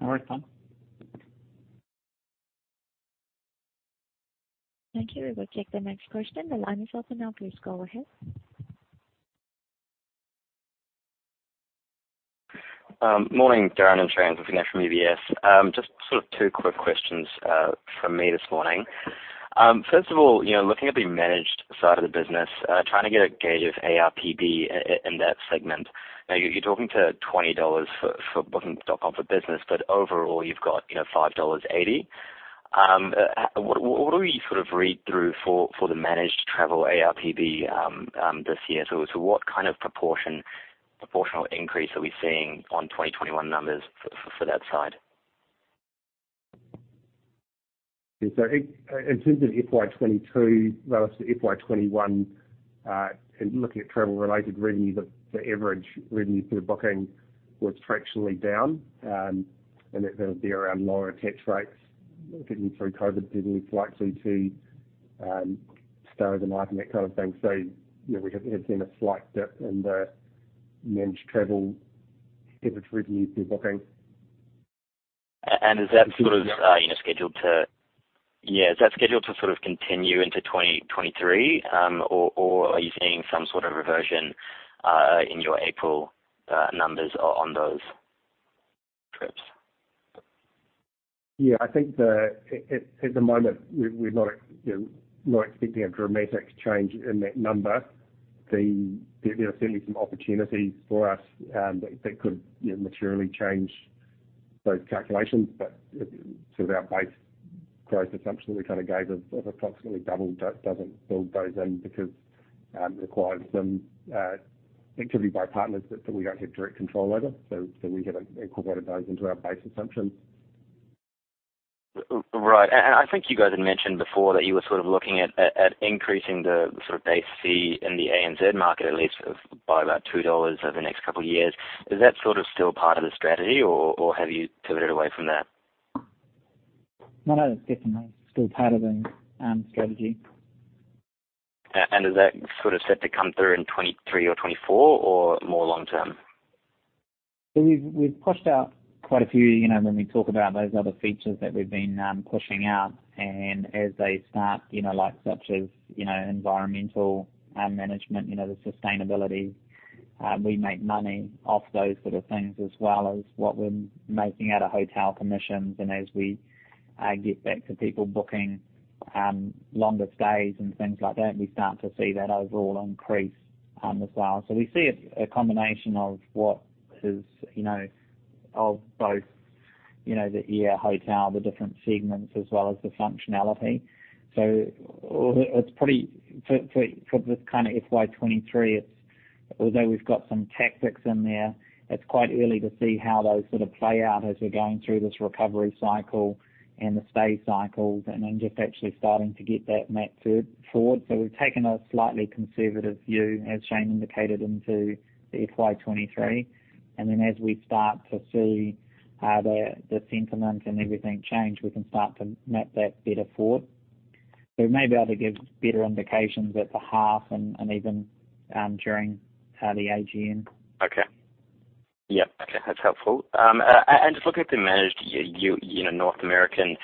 All right, bye. Thank you. We will take the next question. The line is open now. Please go ahead. Morning, Darrin and Shane. This is Vignesh Nair from UBS. Just sort of two quick questions from me this morning. First of all, you know, looking at the managed side of the business, trying to get a gauge of ARPB in that segment. Now you're talking to $20 for Booking.com for Business, but overall you've got, you know, $5.80. What are we sort of read through for the managed travel ARPB this year? So what kind of proportional increase are we seeing on 2021 numbers for that side? Yeah. In terms of FY 2022, relative to FY 2021, in looking at travel related revenue, the average revenue per booking was fractionally down. And there would be around lower attach rates getting through COVID, getting flights through to Star Alliance, that kind of thing. You know, we have had seen a slight dip in the managed travel average revenue per booking. Is that sort of, you know, scheduled to sort of continue into 2023? Or are you seeing some sort of reversion in your April numbers on those trips? Yeah, I think at the moment we're not, you know, not expecting a dramatic change in that number. There are certainly some opportunities for us that could, you know, materially change those calculations. Sort of our base growth assumption that we kind of gave of approximately double doesn't build those in because requires some activity by partners that we don't have direct control over. We haven't incorporated those into our base assumptions. Right. I think you guys had mentioned before that you were sort of looking at increasing the sort of base fee in the ANZ market, at least by about 2 dollars over the next couple of years. Is that sort of still part of the strategy or have you pivoted away from that? No, no, it's definitely still part of the strategy. Is that sort of set to come through in 2023 or 2024 or more long-term? We've pushed out quite a few, you know, when we talk about those other features that we've been pushing out and as they start, you know, like such as, you know, environmental management, you know, the sustainability, we make money off those sort of things as well as what we're making out of hotel commissions. As we get back to people booking longer stays and things like that, we start to see that overall increase as well. We see a combination of what is, you know, of both, you know, the air, hotel, the different segments as well as the functionality. For this kind of FY 2023, it's... Although we've got some tactics in there, it's quite early to see how those sort of play out as we're going through this recovery cycle and the stay cycles and then just actually starting to get that map forward. We've taken a slightly conservative view, as Shane indicated, into the FY 2023. As we start to see, the sentiment and everything change, we can start to map that better forward. We may be able to give better indications at the half and even during the Annual General Meeting. Okay. Yeah. Okay. That's helpful. Just looking at the managed, you know, North American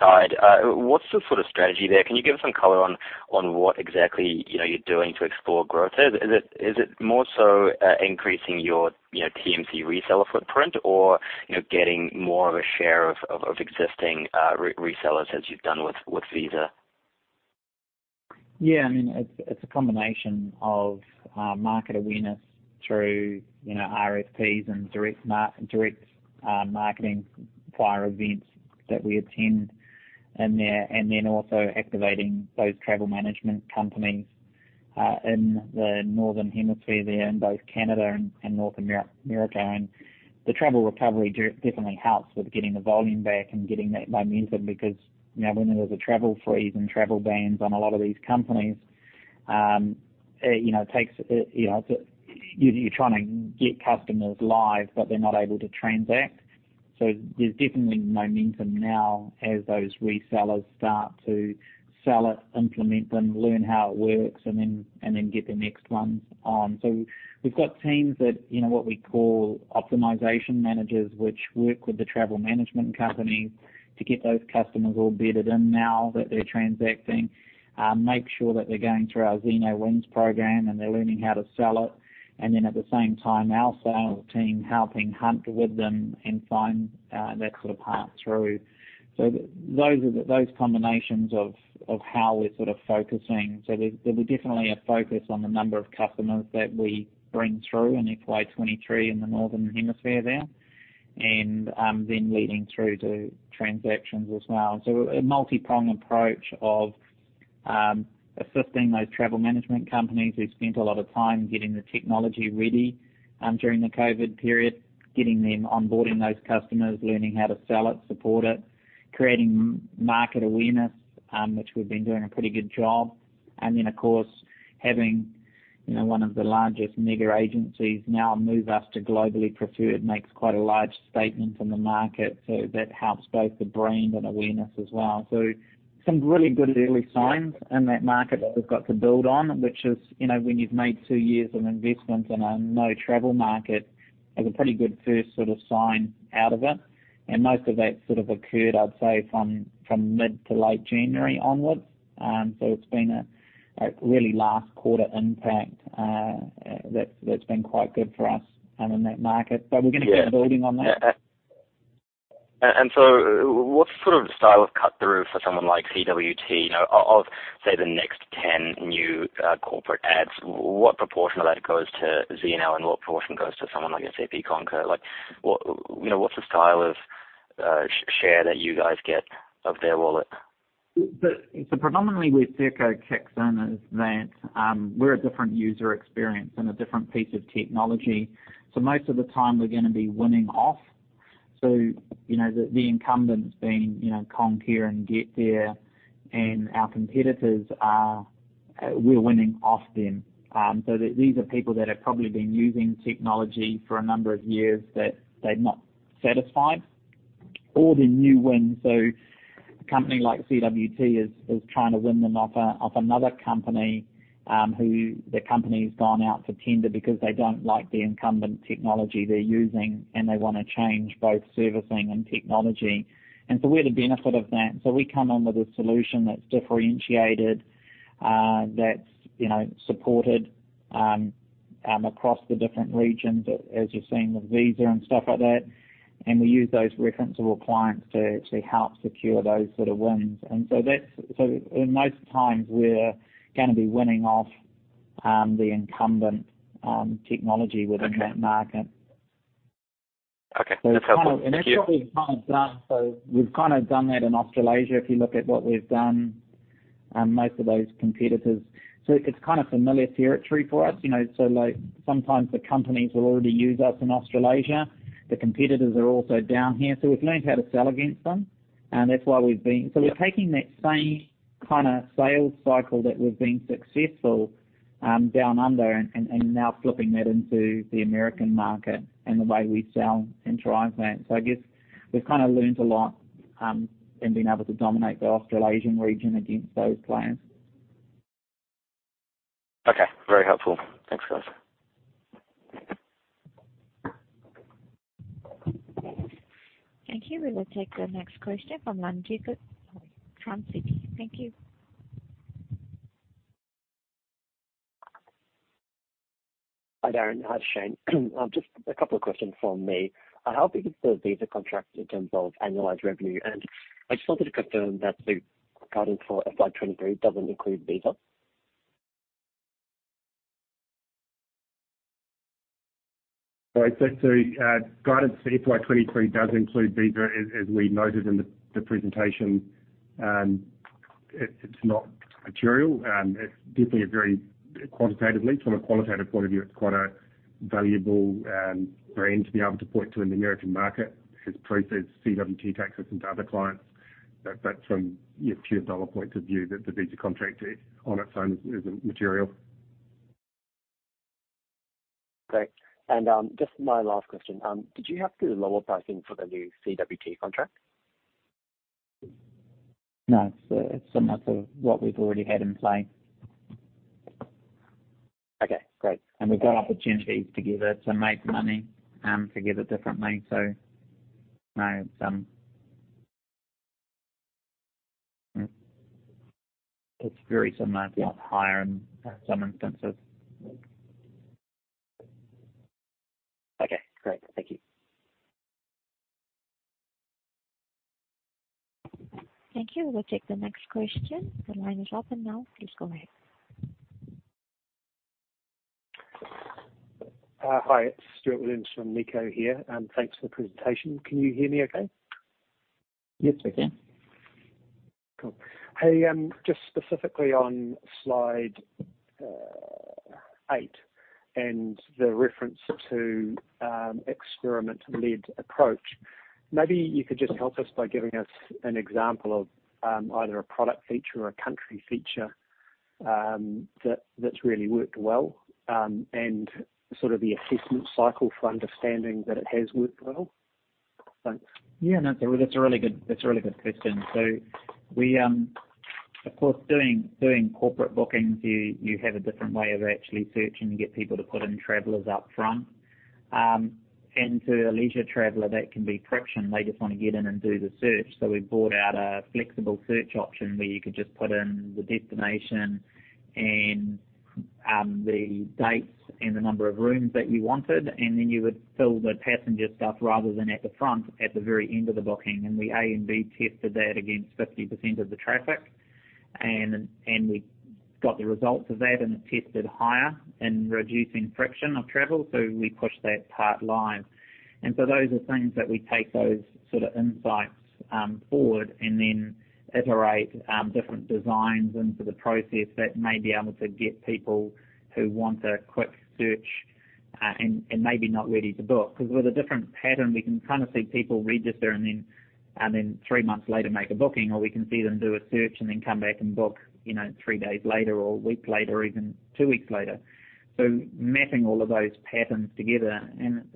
side, what's the sort of strategy there? Can you give us some color on what exactly, you know, you're doing to explore growth there? Is it more so increasing your, you know, TMC reseller footprint or, you know, getting more of a share of existing resellers as you've done with Visa? Yeah. I mean, it's a combination of market awareness through, you know, RFPs and direct marketing via events that we attend in there, and then also activating those travel management companies in the northern hemisphere there in both Canada and North America. The travel recovery definitely helps with getting the volume back and getting that momentum because, you know, when there was a travel freeze and travel bans on a lot of these companies, you know, it takes, you know. You're trying to get customers live, but they're not able to transact. There's definitely momentum now as those resellers start to sell it, implement them, learn how it works, and then get the next ones on. We've got teams that, you know, what we call optimization managers, which work with the travel management companies to get those customers all bedded in now that they're transacting, make sure that they're going through our Zeno Wins program, and they're learning how to sell it. Then at the same time, our sales team helping hunt with them and find that sort of path through. Those are those combinations of how we're sort of focusing. There'll be definitely a focus on the number of customers that we bring through in FY 2023 in the northern hemisphere there. Then leading through to transactions as well. A multi-prong approach of assisting those travel management companies who spent a lot of time getting the technology ready during the COVID period, getting them onboarding those customers, learning how to sell it, support it, creating market awareness, which we've been doing a pretty good job. Of course, having, you know, one of the largest mega agencies now move us to globally preferred makes quite a large statement in the market. That helps both the brand and awareness as well. Some really good early signs in that market that we've got to build on, which is, you know, when you've made two years of investment in a no travel market, is a pretty good first sort of sign out of it. Most of that sort of occurred, I'd say, from mid to late January onwards. It's been a really last quarter impact. That's been quite good for us in that market. Yeah. We're gonna keep building on that. What sort of style of cut through for someone like CWT, you know, of say the next 10 new corporate adds, what proportion of that goes to Zeno, and what proportion goes to someone like SAP Concur? Like, what, you know, what's the style of share that you guys get of their wallet? Predominantly where Serko kicks in is that, we're a different user experience and a different piece of technology, so most of the time we're gonna be winning off. You know, the incumbents being, you know, Concur and GetThere, and our competitors are. We're winning off them. These are people that have probably been using technology for a number of years that they're not satisfied or they're new wins. A company like CWT is trying to win them off another company, who the company's gone out for tender because they don't like the incumbent technology they're using and they wanna change both servicing and technology. We're the benefit of that. We come in with a solution that's differentiated, that's, you know, supported across the different regions as you're seeing with Visa and stuff like that. We use those referenceable clients to actually help secure those sort of wins. In most times we're gonna be winning off the incumbent technology within that market. Okay. That's helpful. Thank you. That's what we've kinda done. We've kinda done that in Australasia if you look at what we've done, most of those competitors. It's kind of familiar territory for us, you know. Like sometimes the companies will already use us in Australasia. The competitors are also down here, so we've learned how to sell against them, and that's why we've been- Yeah. We're taking that same kinda sales cycle that we've been successful down under and now flipping that into the American market and the way we sell and drive that. I guess we've kinda learned a lot in being able to dominate the Australasian region against those players. Okay, very helpful. Thanks, guys. Thank you. We will take the next question from Ilan Jacob from Citi. Thank you. Hi, Darrin. Hi, Shane. Just a couple of questions from me. How big is the Visa contract in terms of annualized revenue? I just wanted to confirm that the guidance for FY 2023 doesn't include Visa. Right. Guidance for FY 2023 does include Visa, as we noted in the presentation. It's not material. It's definitely a very quantitative. From a qualitative point of view, it's quite a valuable brand to be able to point to in the American market. It's proof that CWT takes us into other clients. From a pure dollar point of view, the Visa contract, on its own, is material. Great. Just my last question. Did you have to do lower pricing for the new CWT contract? No. It's similar to what we've already had in play. Okay, great. We've got opportunities to give it, to make money, to give it differently. No, it's very similar. It's higher in some instances. Okay, great. Thank you. Thank you. We'll take the next question. The line is open now. Please go ahead. Hi, it's Stuart Williams from Nikko here, and thanks for the presentation. Can you hear me okay? Yes, we can. Cool. Hey, just specifically on slide eight and the reference to experiment-led approach, maybe you could just help us by giving us an example of either a product feature or a country feature that's really worked well and sort of the assessment cycle for understanding that it has worked well. Thanks. Yeah, no, that's a really good question. We, of course, doing corporate bookings, you have a different way of actually searching to get people to put in travelers up front. To a leisure traveler, that can be friction. They just wanna get in and do the search. We brought out a flexible search option where you could just put in the destination and the dates and the number of rooms that you wanted, and then you would fill the passenger stuff rather than at the front, at the very end of the booking. We A tested and B tested that against 50% of the traffic, and we got the results of that, and it tested higher in reducing friction of travel, so we pushed that part live. Those are things that we take those sorta insights forward and then iterate different designs into the process that may be able to get people who want a quick search, and maybe not ready to book. 'Cause with a different pattern, we can kinda see people register and then three months later make a booking, or we can see them do a search and then come back and book, you know, three days later or a week later or even two weeks later. Mapping all of those patterns together.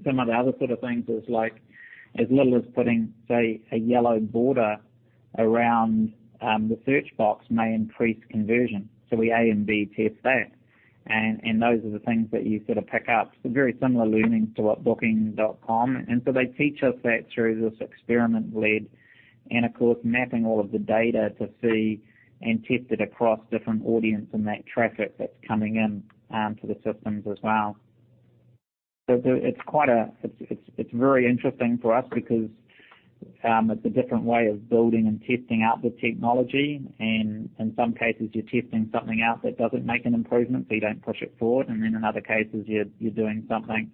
Some of the other sort of things is like as little as putting, say, a yellow border around the search box may increase conversion. We A and B test that. Those are the things that you sort of pick up. Very similar learnings to what Booking.com, and so they teach us that through this experiment lead and of course, mapping all of the data to see and test it across different audience and that traffic that's coming in, to the systems as well. It's quite a—it's very interesting for us because, it's a different way of building and testing out the technology, and in some cases, you're testing something out that doesn't make an improvement, so you don't push it forward. Then in other cases, you're doing something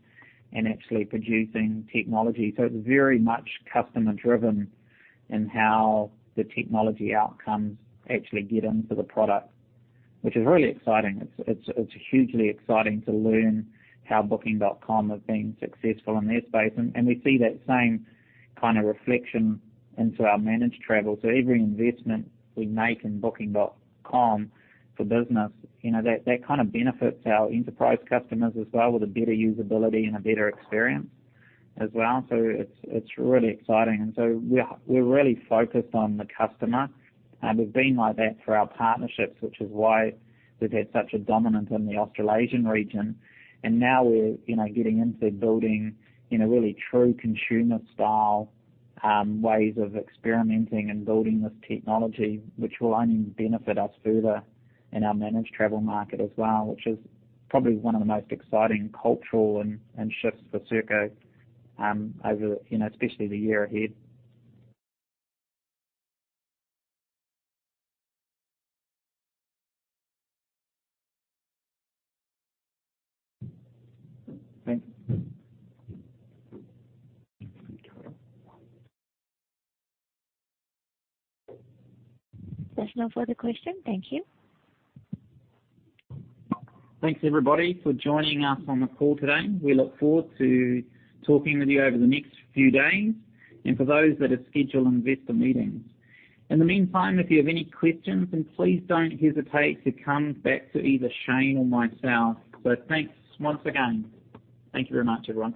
and actually producing technology. It's very much customer driven in how the technology outcomes actually get into the product, which is really exciting. It's hugely exciting to learn how Booking.com have been successful in their space. We see that same kind of reflection into our managed travel. Every investment we make in Booking.com for Business, you know, that kind of benefits our enterprise customers as well with a better usability and a better experience as well. It's really exciting. We're really focused on the customer. We've been like that through our partnerships, which is why we've had such a dominance in the Australasian region. Now we're getting into building really true consumer style ways of experimenting and building this technology, which will only benefit us further in our managed travel market as well, which is probably one of the most exciting cultural and shifts for Serko over, you know, especially the year ahead. Thank you. There's no further question. Thank you. Thanks everybody for joining us on the call today. We look forward to talking with you over the next few days, and for those that are scheduled investor meetings. In the meantime, if you have any questions then please don't hesitate to come back to either Shane or myself. Thanks once again. Thank you very much, everyone.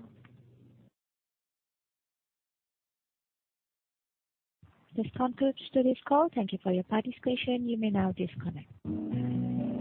This concludes today's call. Thank you for your participation. You may now disconnect.